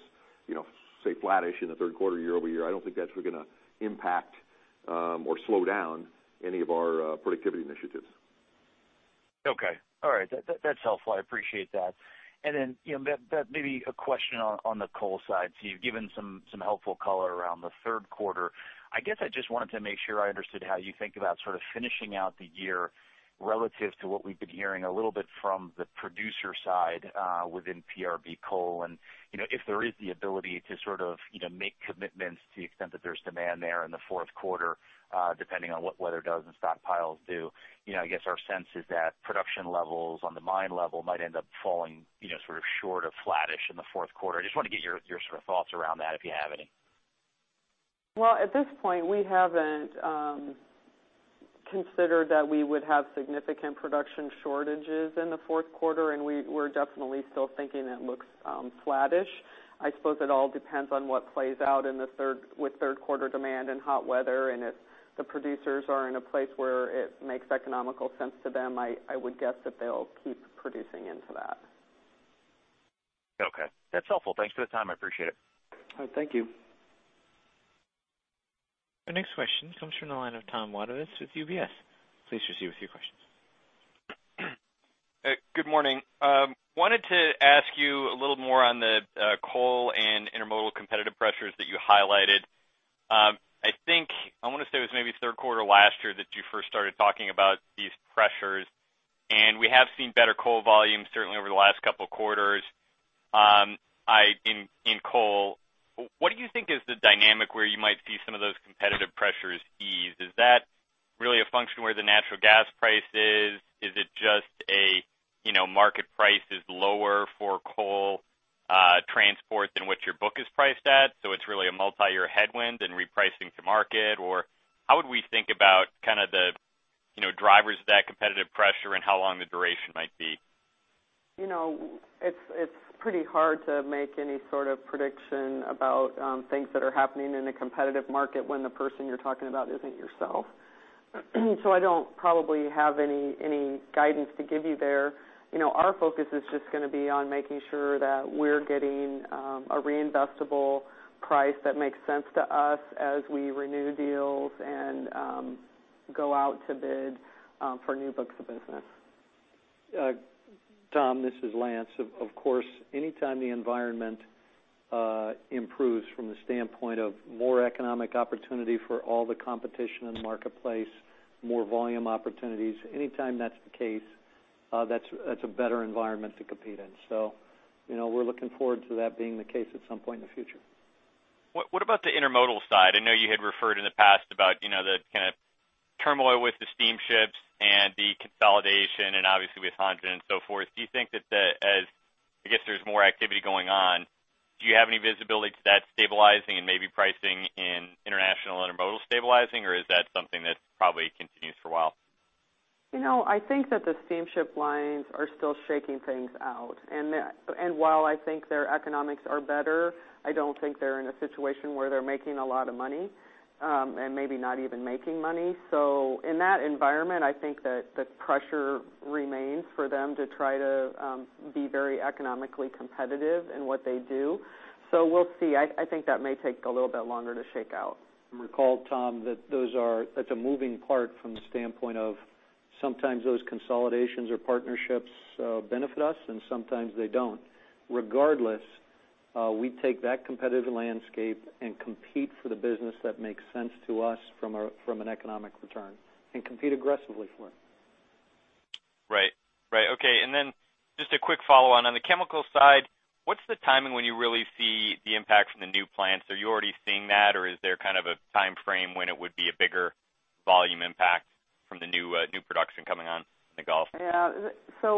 say, flattish in the third quarter year-over-year, I don't think that's going to impact or slow down any of our productivity initiatives. Okay. All right. That's helpful. I appreciate that. Maybe a question on the coal side. You've given some helpful color around the third quarter. I guess I just wanted to make sure I understood how you think about finishing out the year relative to what we've been hearing a little bit from the producer side within PRB Coal, and if there is the ability to make commitments to the extent that there's demand there in the fourth quarter, depending on what weather does and stockpiles do. I guess our sense is that production levels on the mine level might end up falling short of flattish in the fourth quarter. I just want to get your thoughts around that, if you have any. Well, at this point, we haven't considered that we would have significant production shortages in the fourth quarter, and we're definitely still thinking it looks flattish. I suppose it all depends on what plays out with third quarter demand and hot weather, and if the producers are in a place where it makes economical sense to them, I would guess that they'll keep producing into that. Okay. That's helpful. Thanks for the time. I appreciate it. Thank you. Our next question comes from the line of Thomas Wadewitz with UBS. Please proceed with your questions. Good morning. Wanted to ask you a little more on the coal and intermodal competitive pressures that you highlighted. I think, I want to say it was maybe third quarter last year that you first started talking about these pressures, and we have seen better coal volumes certainly over the last couple of quarters. In coal, what do you think is the dynamic where you might see some of those competitive pressures ease? Is that really a function where the natural gas price is? Is it just a market price is lower for coal transport than what your book is priced at, so it's really a multi-year headwind and repricing to market? Or how would we think about the drivers of that competitive pressure and how long the duration might be? It's pretty hard to make any sort of prediction about things that are happening in a competitive market when the person you're talking about isn't yourself. I don't probably have any guidance to give you there. Our focus is just going to be on making sure that we're getting a reinvestable price that makes sense to us as we renew deals and go out to bid for new books of business. Tom, this is Lance. Of course, anytime the environment improves from the standpoint of more economic opportunity for all the competition in the marketplace, more volume opportunities, anytime that's the case, that's a better environment to compete in. We're looking forward to that being the case at some point in the future. What about the intermodal side? I know you had referred in the past about the kind of turmoil with the steamships and the consolidation, and obviously with Hanjin and so forth. I guess there's more activity going on. Do you have any visibility to that stabilizing and maybe pricing in international intermodal stabilizing, or is that something that probably continues for a while? I think that the steamship lines are still shaking things out. While I think their economics are better, I don't think they're in a situation where they're making a lot of money, and maybe not even making money. In that environment, I think that the pressure remains for them to try to be very economically competitive in what they do. We'll see. I think that may take a little bit longer to shake out. Recall, Tom, that that's a moving part from the standpoint of Sometimes those consolidations or partnerships benefit us, and sometimes they don't. Regardless, we take that competitive landscape and compete for the business that makes sense to us from an economic return, and compete aggressively for it. Right. Okay. Then just a quick follow-on. On the chemical side, what's the timing when you really see the impact from the new plants? Are you already seeing that, or is there kind of a time frame when it would be a bigger volume impact from the new production coming on in the Gulf?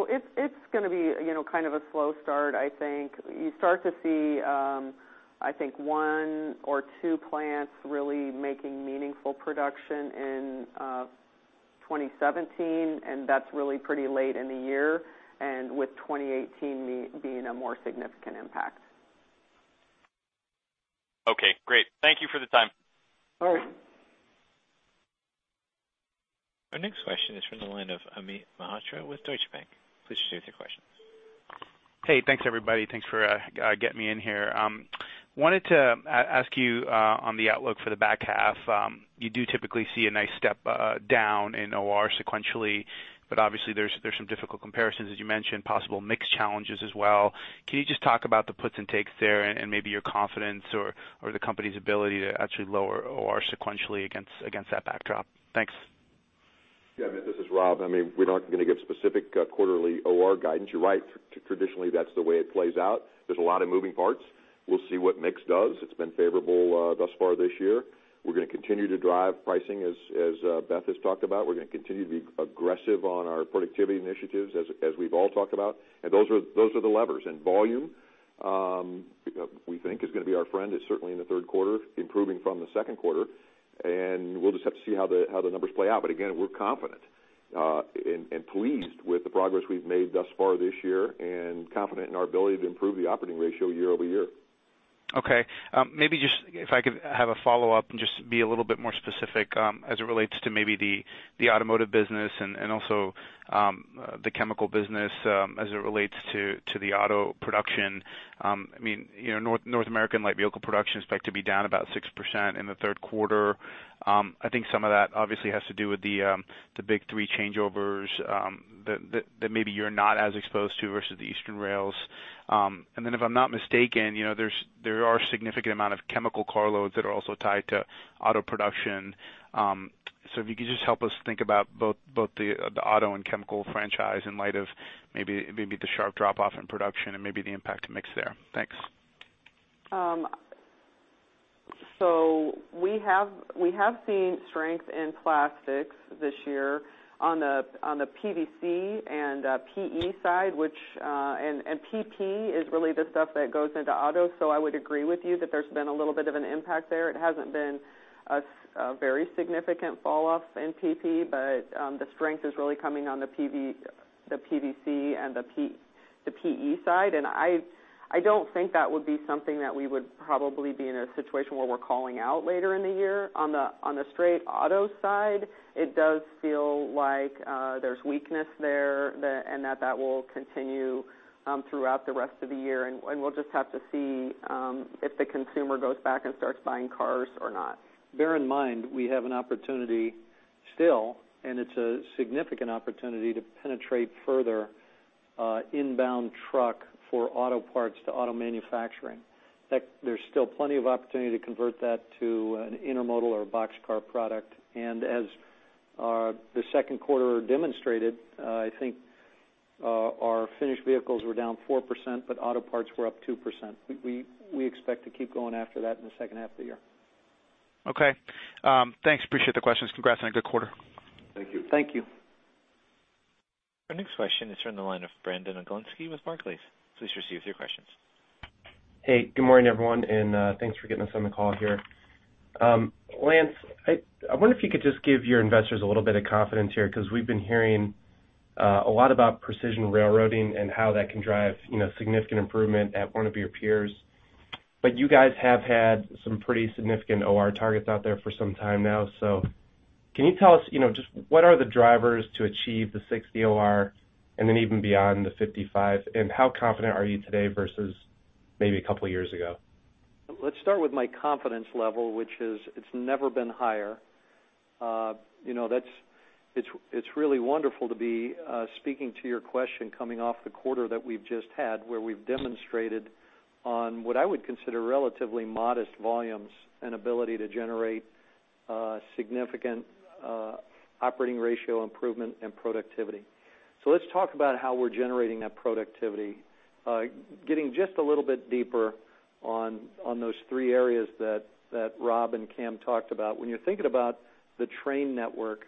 It's going to be a slow start, I think. You start to see, I think, one or two plants really making meaningful production in 2017, and that's really pretty late in the year, and with 2018 being a more significant impact. Okay, great. Thank you for the time. All right. Our next question is from the line of Amit Mehrotra with Deutsche Bank. Please share your questions. Hey, thanks everybody. Thanks for getting me in here. Wanted to ask you on the outlook for the back half. You do typically see a nice step down in OR sequentially, but obviously there's some difficult comparisons, as you mentioned, possible mix challenges as well. Can you just talk about the puts and takes there and maybe your confidence or the company's ability to actually lower OR sequentially against that backdrop? Thanks. Yeah, Amit, this is Rob. We're not going to give specific quarterly OR guidance. You're right, traditionally, that's the way it plays out. There's a lot of moving parts. We'll see what mix does. It's been favorable thus far this year. We're going to continue to drive pricing, as Beth has talked about. We're going to continue to be aggressive on our productivity initiatives, as we've all talked about. Those are the levers. Volume, we think, is going to be our friend, certainly in the third quarter, improving from the second quarter. We'll just have to see how the numbers play out. Again, we're confident and pleased with the progress we've made thus far this year and confident in our ability to improve the operating ratio year-over-year. Okay. Maybe just, if I could have a follow-up and just be a little bit more specific as it relates to maybe the automotive business and also the chemical business as it relates to the auto production. North American light vehicle production is expected to be down about 6% in the third quarter. I think some of that obviously has to do with the big three changeovers that maybe you're not as exposed to versus the eastern rails. If I'm not mistaken, there are significant amount of chemical car loads that are also tied to auto production. If you could just help us think about both the auto and chemical franchise in light of maybe the sharp drop-off in production and maybe the impact to mix there. Thanks. We have seen strength in plastics this year on the PVC and PE side, and PP is really the stuff that goes into auto. I would agree with you that there's been a little bit of an impact there. It hasn't been a very significant fall-off in PP, but the strength is really coming on the PVC and the PE side. I don't think that would be something that we would probably be in a situation where we're calling out later in the year. On the straight auto side, it does feel like there's weakness there and that that will continue throughout the rest of the year, and we'll just have to see if the consumer goes back and starts buying cars or not. Bear in mind, we have an opportunity still, and it's a significant opportunity, to penetrate further inbound truck for auto parts to auto manufacturing. There's still plenty of opportunity to convert that to an intermodal or a boxcar product. As the second quarter demonstrated, I think our finished vehicles were down 4%, but auto parts were up 2%. We expect to keep going after that in the second half of the year. Okay. Thanks, appreciate the questions. Congrats on a good quarter. Thank you. Thank you. Our next question is from the line of Brandon Oglenski with Barclays. Please receive your questions. Hey, good morning, everyone, and thanks for getting us on the call here. Lance, I wonder if you could just give your investors a little bit of confidence here, because we've been hearing a lot about precision railroading and how that can drive significant improvement at one of your peers. You guys have had some pretty significant OR targets out there for some time now. Can you tell us, just what are the drivers to achieve the 60 OR and then even beyond the 55, and how confident are you today versus maybe a couple of years ago? Let's start with my confidence level, which is, it's never been higher. It's really wonderful to be speaking to your question coming off the quarter that we've just had, where we've demonstrated on, what I would consider, relatively modest volumes and ability to generate significant operating ratio improvement and productivity. Let's talk about how we're generating that productivity. Getting just a little bit deeper on those three areas that Rob and Cam talked about. When you're thinking about the train network,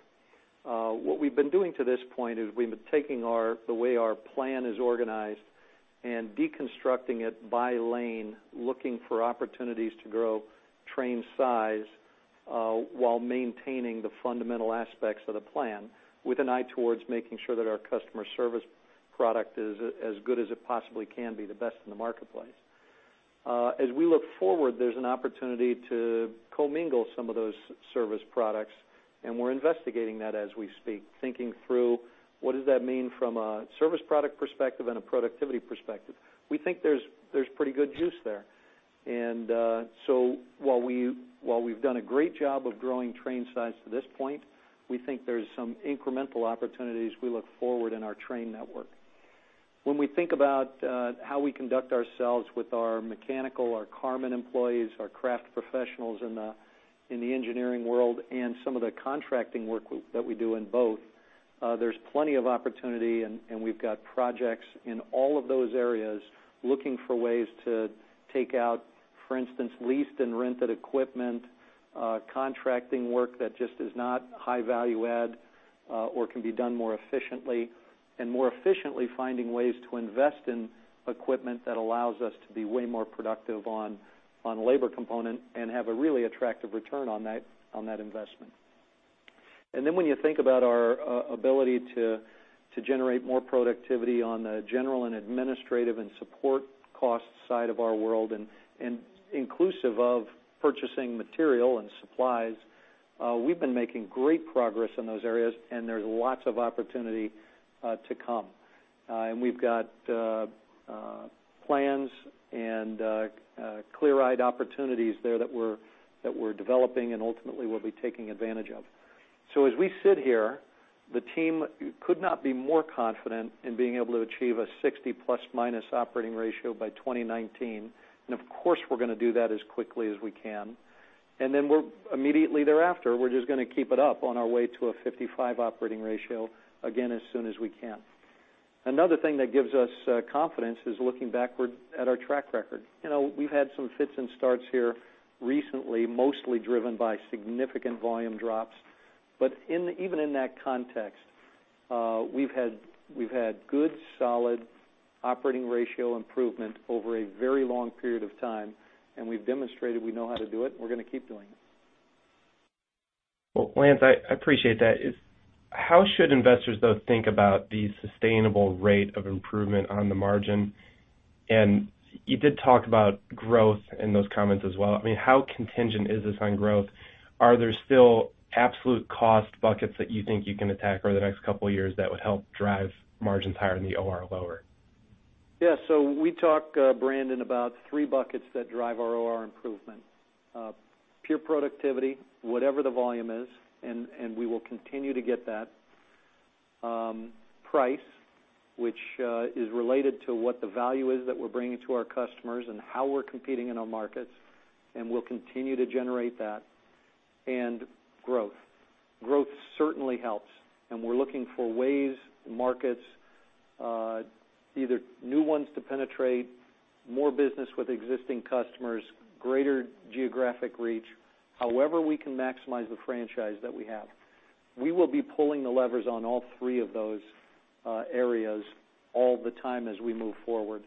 what we've been doing to this point is we've been taking the way our plan is organized and deconstructing it by lane, looking for opportunities to grow train size while maintaining the fundamental aspects of the plan with an eye towards making sure that our customer service product is as good as it possibly can be, the best in the marketplace. As we look forward, there's an opportunity to commingle some of those service products, and we're investigating that as we speak. What does that mean from a service product perspective and a productivity perspective? We think there's pretty good juice there. While we've done a great job of growing train size to this point, we think there's some incremental opportunities we look forward in our train network. When we think about how we conduct ourselves with our mechanical, our Carmen employees, our craft professionals in the engineering world, and some of the contracting work that we do in both, there's plenty of opportunity, and we've got projects in all of those areas looking for ways to take out, for instance, leased and rented equipment, contracting work that just is not high value add, or can be done more efficiently. More efficiently, finding ways to invest in equipment that allows us to be way more productive on labor component and have a really attractive return on that investment. When you think about our ability to generate more productivity on the general and administrative and support cost side of our world, and inclusive of purchasing material and supplies, we've been making great progress in those areas, and there's lots of opportunity to come. We've got plans and clear-eyed opportunities there that we're developing and ultimately will be taking advantage of. As we sit here, the team could not be more confident in being able to achieve a 60 plus or minus operating ratio by 2019. Of course, we're going to do that as quickly as we can. Immediately thereafter, we're just going to keep it up on our way to a 55 operating ratio, again, as soon as we can. Another thing that gives us confidence is looking backward at our track record. We've had some fits and starts here recently, mostly driven by significant volume drops. Even in that context, we've had good, solid operating ratio improvement over a very long period of time, and we've demonstrated we know how to do it, and we're going to keep doing it. Well, Lance, I appreciate that. How should investors, though, think about the sustainable rate of improvement on the margin? You did talk about growth in those comments as well. How contingent is this on growth? Are there still absolute cost buckets that you think you can attack over the next couple of years that would help drive margins higher and the OR lower? Yeah. We talk, Brandon, about three buckets that drive our OR improvement. Pure productivity, whatever the volume is, and we will continue to get that. Price, which is related to what the value is that we're bringing to our customers and how we're competing in our markets, and we will continue to generate that. Growth. Growth certainly helps, and we're looking for ways, markets, either new ones to penetrate, more business with existing customers, greater geographic reach, however we can maximize the franchise that we have. We will be pulling the levers on all three of those areas all the time as we move forward.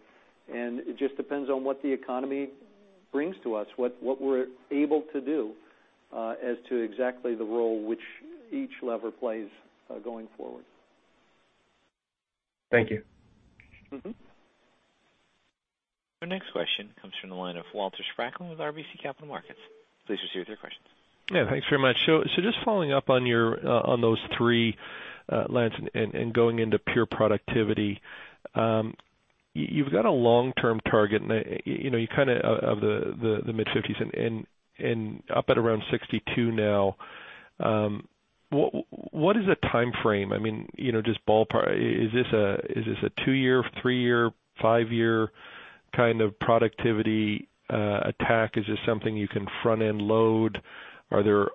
It just depends on what the economy brings to us, what we're able to do as to exactly the role which each lever plays going forward. Thank you. Our next question comes from the line of Walter Spracklin with RBC Capital Markets. Please proceed with your question. Yeah, thanks very much. Just following up on those three, Lance, and going into pure productivity. You've got a long-term target of the mid-50s and up at around 62 now. What is the timeframe? Just ballpark, is this a two-year, three-year, five-year kind of productivity attack? Is this something you can front-end load? Are there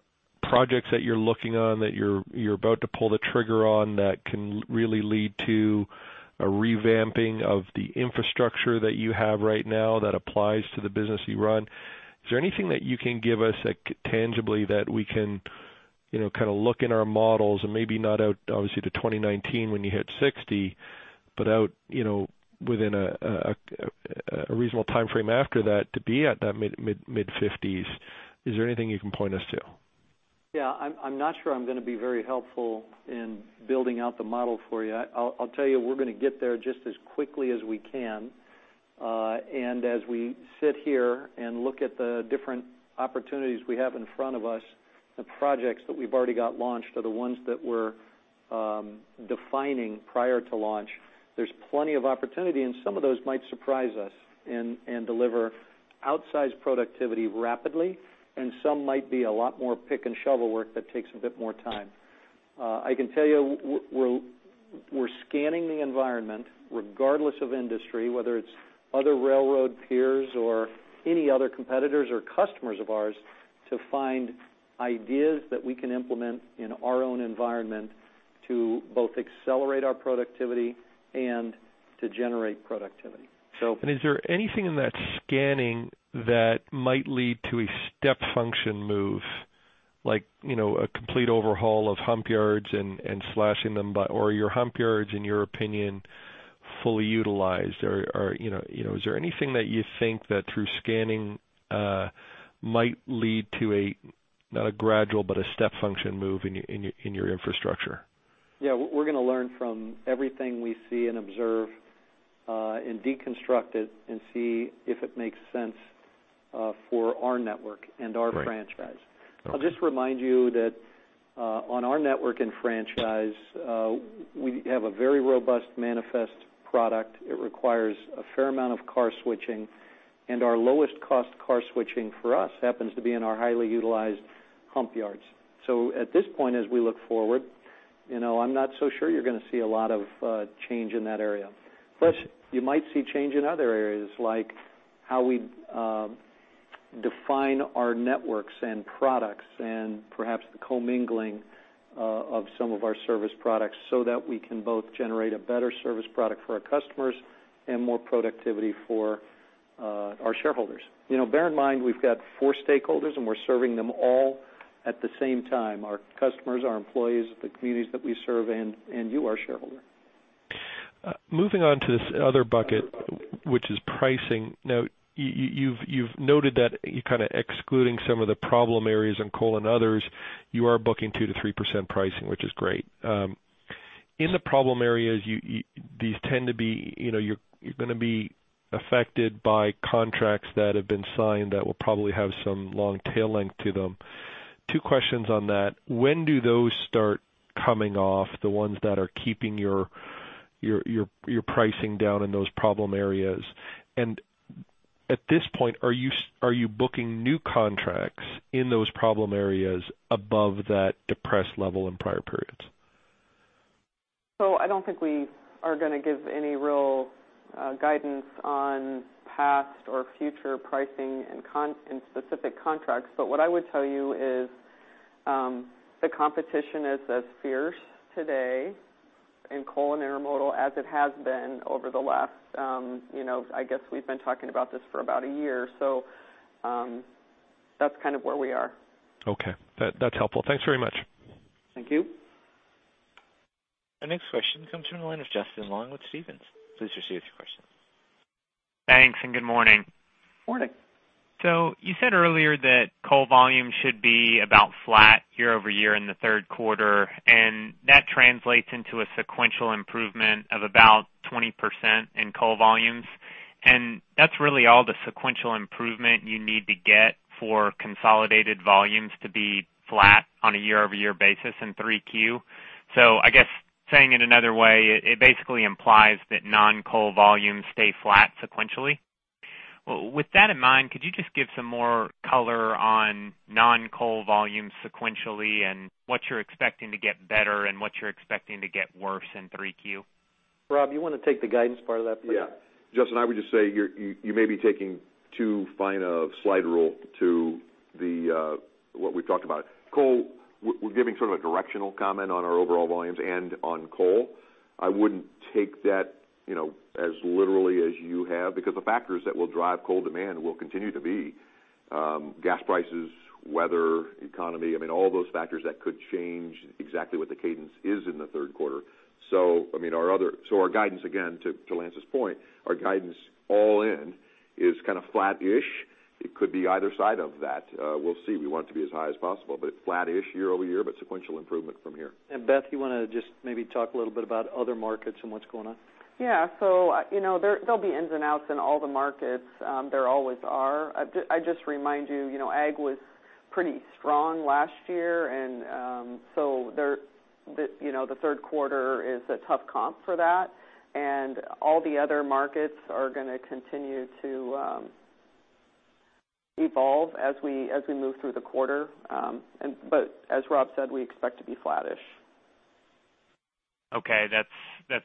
projects that you're looking on that you're about to pull the trigger on that can really lead to a revamping of the infrastructure that you have right now that applies to the business you run? Is there anything that you can give us tangibly that we can look in our models and maybe not out, obviously, to 2019 when you hit 60, but within a reasonable timeframe after that to be at that mid-50s? Is there anything you can point us to? Yeah, I'm not sure I'm going to be very helpful in building out the model for you. I'll tell you, we're going to get there just as quickly as we can. As we sit here and look at the different opportunities we have in front of us, the projects that we've already got launched are the ones that we're defining prior to launch. There's plenty of opportunity, and some of those might surprise us and deliver outsized productivity rapidly, and some might be a lot more pick and shovel work that takes a bit more time. I can tell you, we're scanning the environment regardless of industry, whether it's other railroad peers or any other competitors or customers of ours, to find ideas that we can implement in our own environment to both accelerate our productivity and to generate productivity. Is there anything in that scanning that might lead to a step function move, like a complete overhaul of hump yards and slashing them? Are your hump yards, in your opinion, fully utilized? Is there anything that you think that through scanning might lead to a, not a gradual, but a step function move in your infrastructure? Yeah. We're going to learn from everything we see and observe and deconstruct it and see if it makes sense For our network and our franchise. Right. I'll just remind you that on our network and franchise, we have a very robust manifest product. It requires a fair amount of car switching. Our lowest cost car switching for us happens to be in our highly utilized hump yards. At this point, as we look forward, I'm not so sure you're going to see a lot of change in that area. You might see change in other areas, like how we define our networks and products and perhaps the commingling of some of our service products so that we can both generate a better service product for our customers and more productivity for our shareholders. Bear in mind, we've got four stakeholders. We're serving them all at the same time. Our customers, our employees, the communities that we serve, and you, our shareholder. You've noted that you're kind of excluding some of the problem areas in coal and others. You are booking 2%-3% pricing, which is great. In the problem areas, you're going to be affected by contracts that have been signed that will probably have some long tail link to them. Two questions on that. When do those start coming off, the ones that are keeping your pricing down in those problem areas? At this point, are you booking new contracts in those problem areas above that depressed level in prior periods? I don't think we are going to give any real guidance on past or future pricing in specific contracts. What I would tell you is, the competition is as fierce today in coal and intermodal as it has been over the last, I guess we've been talking about this for about a year. That's kind of where we are. Okay. That's helpful. Thanks very much. Thank you. Our next question comes from the line of Justin Long with Stephens. Please proceed with your question. Thanks and good morning. Morning. You said earlier that coal volume should be about flat year-over-year in the third quarter, and that translates into a sequential improvement of about 20% in coal volumes. That's really all the sequential improvement you need to get for consolidated volumes to be flat on a year-over-year basis in 3Q. I guess saying it another way, it basically implies that non-coal volumes stay flat sequentially. With that in mind, could you just give some more color on non-coal volumes sequentially and what you're expecting to get better and what you're expecting to get worse in 3Q? Rob, you want to take the guidance part of that, please? Justin, I would just say, you may be taking too fine a slide rule to what we've talked about. Coal, we're giving sort of a directional comment on our overall volumes and on coal. I wouldn't take that as literally as you have, because the factors that will drive coal demand will continue to be gas prices, weather, economy, all those factors that could change exactly what the cadence is in the third quarter. Our guidance, again, to Lance's point, our guidance all in is kind of flat-ish. It could be either side of that. We'll see. We want it to be as high as possible, but it's flat-ish year-over-year, sequential improvement from here. Beth, you want to just maybe talk a little bit about other markets and what's going on? There'll be ins and outs in all the markets. There always are. I just remind you, ag was pretty strong last year, the third quarter is a tough comp for that. All the other markets are going to continue to evolve as we move through the quarter. As Rob said, we expect to be flat-ish. Okay, that's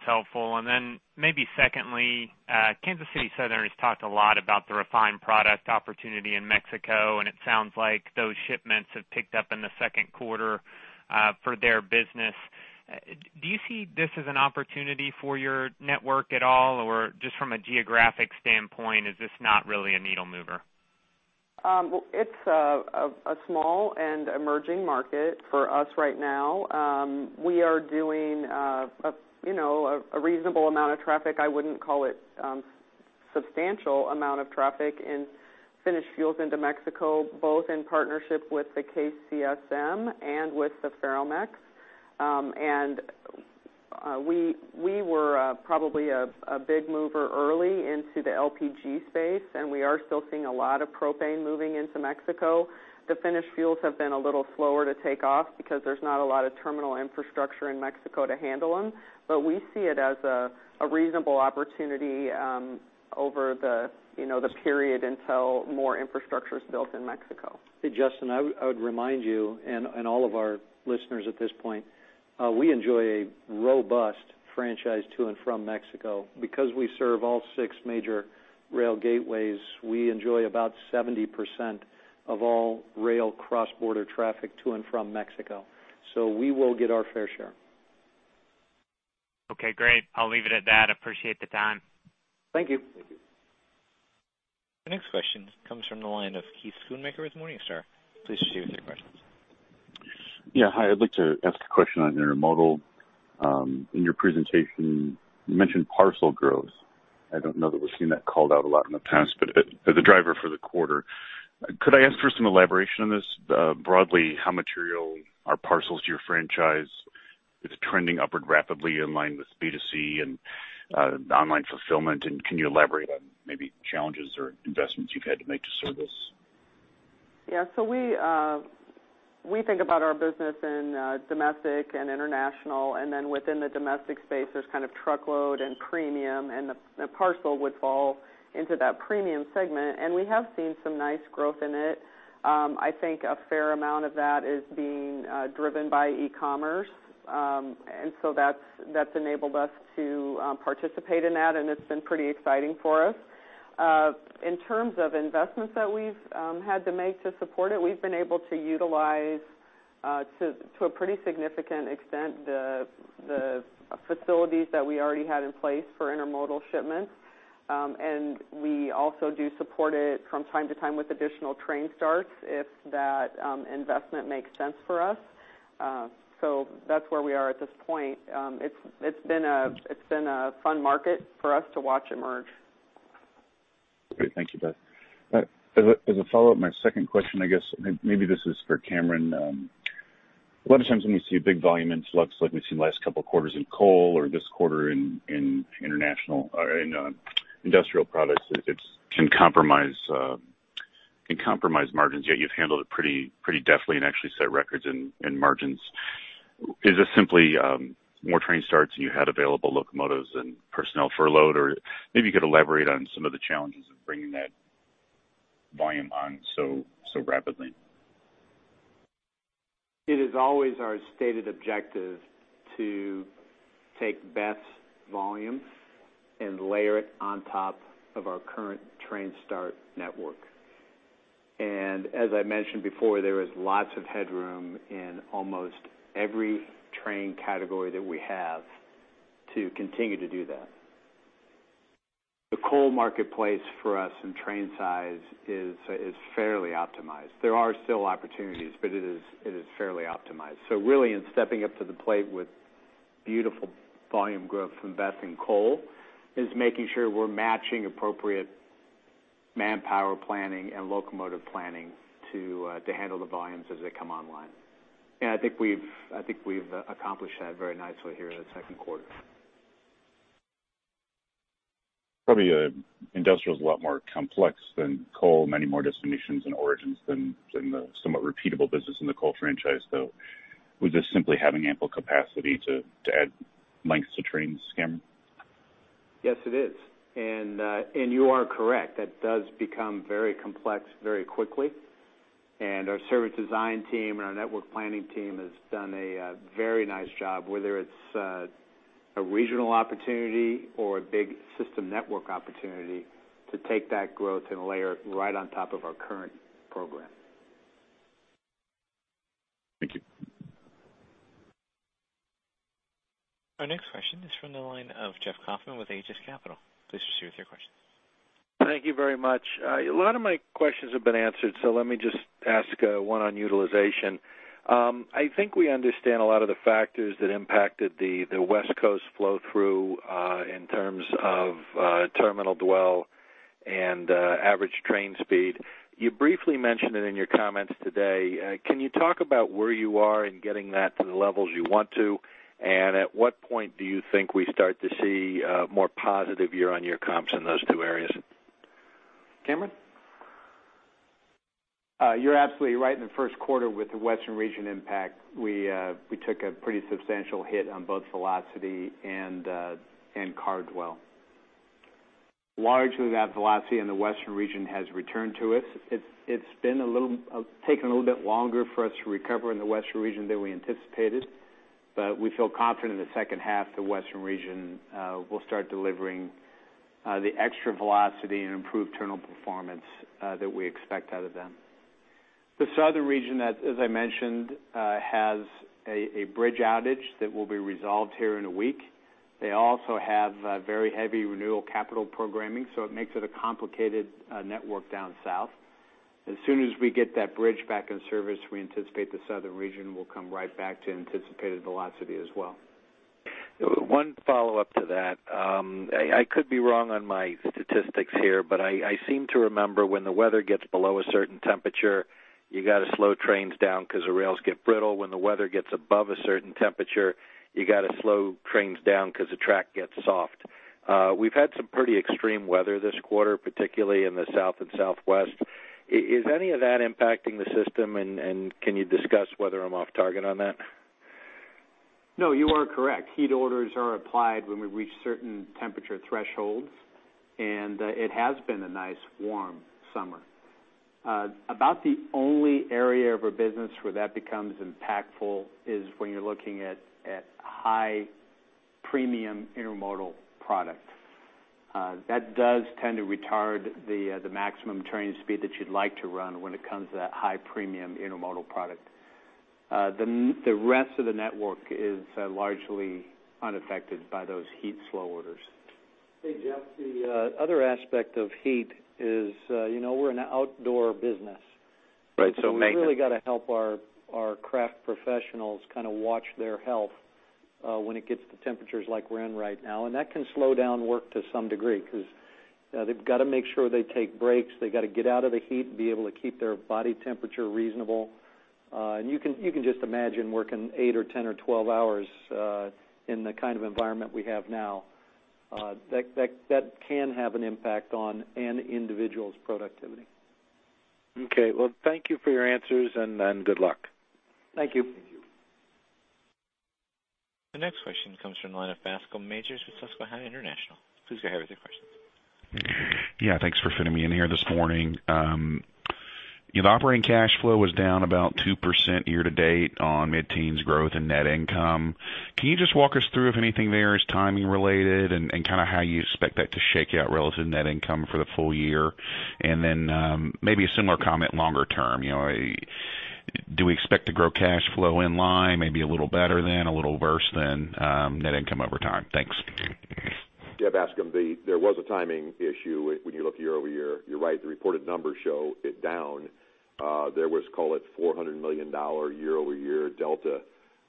helpful. Maybe secondly, Kansas City Southern has talked a lot about the refined product opportunity in Mexico, it sounds like those shipments have picked up in the second quarter for their business. Do you see this as an opportunity for your network at all? Just from a geographic standpoint, is this not really a needle mover? Well, it's a small and emerging market for us right now. We are doing a reasonable amount of traffic. I wouldn't call it substantial amount of traffic in finished fuels into Mexico, both in partnership with the KCSM and with the Ferromex. We were probably a big mover early into the LPG space, and we are still seeing a lot of propane moving into Mexico. The finished fuels have been a little slower to take off because there's not a lot of terminal infrastructure in Mexico to handle them. We see it as a reasonable opportunity over the period until more infrastructure is built in Mexico. Hey, Justin, I would remind you and all of our listeners at this point, we enjoy a robust franchise to and from Mexico. Because we serve all six major rail gateways, we enjoy about 70% of all rail cross-border traffic to and from Mexico. We will get our fair share. Okay, great. I'll leave it at that. Appreciate the time. Thank you. Thank you. Our next question comes from the line of Keith Schoonmaker with Morningstar. Please share your questions. Yeah. Hi, I'd like to ask a question on intermodal. In your presentation, you mentioned parcel growth. I don't know that we've seen that called out a lot in the past, but as a driver for the quarter, could I ask for some elaboration on this? Broadly, how material are parcels to your franchise? trending upward rapidly in line with B2C and online fulfillment. Can you elaborate on maybe challenges or investments you've had to make to service? Yeah. We think about our business in domestic and international, and then within the domestic space, there's truckload and premium, and the parcel would fall into that premium segment, and we have seen some nice growth in it. I think a fair amount of that is being driven by e-commerce. That's enabled us to participate in that, and it's been pretty exciting for us. In terms of investments that we've had to make to support it, we've been able to utilize, to a pretty significant extent, the facilities that we already had in place for intermodal shipments. We also do support it from time to time with additional train starts if that investment makes sense for us. That's where we are at this point. It's been a fun market for us to watch emerge. Great. Thank you, Beth. As a follow-up, my second question, I guess maybe this is for Cameron. A lot of times when we see a big volume influx like we've seen the last couple of quarters in coal or this quarter in international or in industrial products, it can compromise margins, yet you've handled it pretty deftly and actually set records in margins. Is this simply more train starts and you had available locomotives and personnel for load? Or maybe you could elaborate on some of the challenges of bringing that volume on so rapidly. It is always our stated objective to take Beth's volume and layer it on top of our current train start network. As I mentioned before, there is lots of headroom in almost every train category that we have to continue to do that. The coal marketplace for us in train size is fairly optimized. There are still opportunities, it is fairly optimized. Really in stepping up to the plate with beautiful volume growth from Beth in coal is making sure we're matching appropriate manpower planning and locomotive planning to handle the volumes as they come online. I think we've accomplished that very nicely here in the second quarter. Probably industrial is a lot more complex than coal, many more destinations and origins than the somewhat repeatable business in the coal franchise, though. Was this simply having ample capacity to add lengths to trains, Cameron? Yes, it is. You are correct, that does become very complex very quickly. Our service design team and our network planning team has done a very nice job, whether it's a regional opportunity or a big system network opportunity to take that growth and layer it right on top of our current program. Thank you. Our next question is from the line of Jeff Kauffman with Aegis Capital. Please proceed with your question. Thank you very much. A lot of my questions have been answered, so let me just ask one on utilization. I think we understand a lot of the factors that impacted the West Coast flow-through, in terms of terminal dwell and average train speed. You briefly mentioned it in your comments today. Can you talk about where you are in getting that to the levels you want to, and at what point do you think we start to see more positive year-on-year comps in those two areas? Cameron? You're absolutely right. In the first quarter with the Western region impact, we took a pretty substantial hit on both velocity and car dwell. Largely, that velocity in the Western region has returned to us. It's taken a little bit longer for us to recover in the Western region than we anticipated, but we feel confident in the second half, the Western region will start delivering the extra velocity and improved terminal performance that we expect out of them. The Southern region, as I mentioned, has a bridge outage that will be resolved here in a week. They also have very heavy renewal capital programming, so it makes it a complicated network down south. As soon as we get that bridge back in service, we anticipate the Southern region will come right back to anticipated velocity as well. One follow-up to that. I could be wrong on my statistics here, but I seem to remember when the weather gets below a certain temperature, you got to slow trains down because the rails get brittle. When the weather gets above a certain temperature, you got to slow trains down because the track gets soft. We've had some pretty extreme weather this quarter, particularly in the South and Southwest. Is any of that impacting the system, and can you discuss whether I'm off target on that? No, you are correct. Heat orders are applied when we reach certain temperature thresholds. It has been a nice, warm summer. About the only area of our business where that becomes impactful is when you're looking at high premium intermodal product. That does tend to retard the maximum train speed that you'd like to run when it comes to that high premium intermodal product. The rest of the network is largely unaffected by those heat slow orders. Hey, Jeff. The other aspect of heat is, we're an outdoor business. Right. We've really got to help our craft professionals watch their health when it gets to temperatures like we're in right now. That can slow down work to some degree because They've got to make sure they take breaks. They got to get out of the heat and be able to keep their body temperature reasonable. You can just imagine working eight or 10 or 12 hours in the kind of environment we have now. That can have an impact on an individual's productivity. Okay. Well, thank you for your answers, good luck. Thank you. The next question comes from the line of Bascome Majors with Susquehanna International. Please go ahead with your question. Thanks for fitting me in here this morning. Operating cash flow was down about 2% year to date on mid-teens growth and net income. Can you just walk us through if anything there is timing related and kind of how you expect that to shake out relative net income for the full year? Maybe a similar comment longer term. Do we expect to grow cash flow in line, maybe a little better than, a little worse than net income over time? Thanks. Bascome, there was a timing issue when you look year-over-year. You're right, the reported numbers show it down. There was, call it $400 million year-over-year delta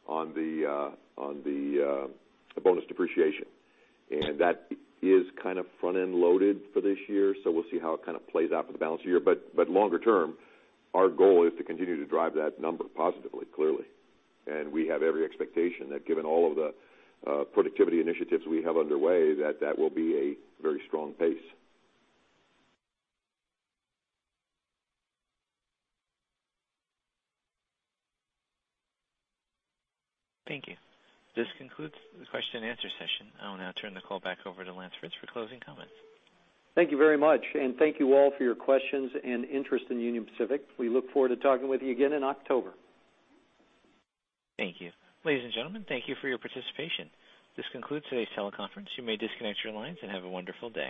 on the bonus depreciation. That is kind of front-end loaded for this year, we'll see how it kind of plays out for the balance of the year. Longer term, our goal is to continue to drive that number positively, clearly. We have every expectation that given all of the productivity initiatives we have underway, that that will be a very strong pace. Thank you. This concludes the question and answer session. I will now turn the call back over to Lance Fritz for closing comments. Thank you very much. Thank you all for your questions and interest in Union Pacific. We look forward to talking with you again in October. Thank you. Ladies and gentlemen, thank you for your participation. This concludes today's teleconference. You may disconnect your lines and have a wonderful day.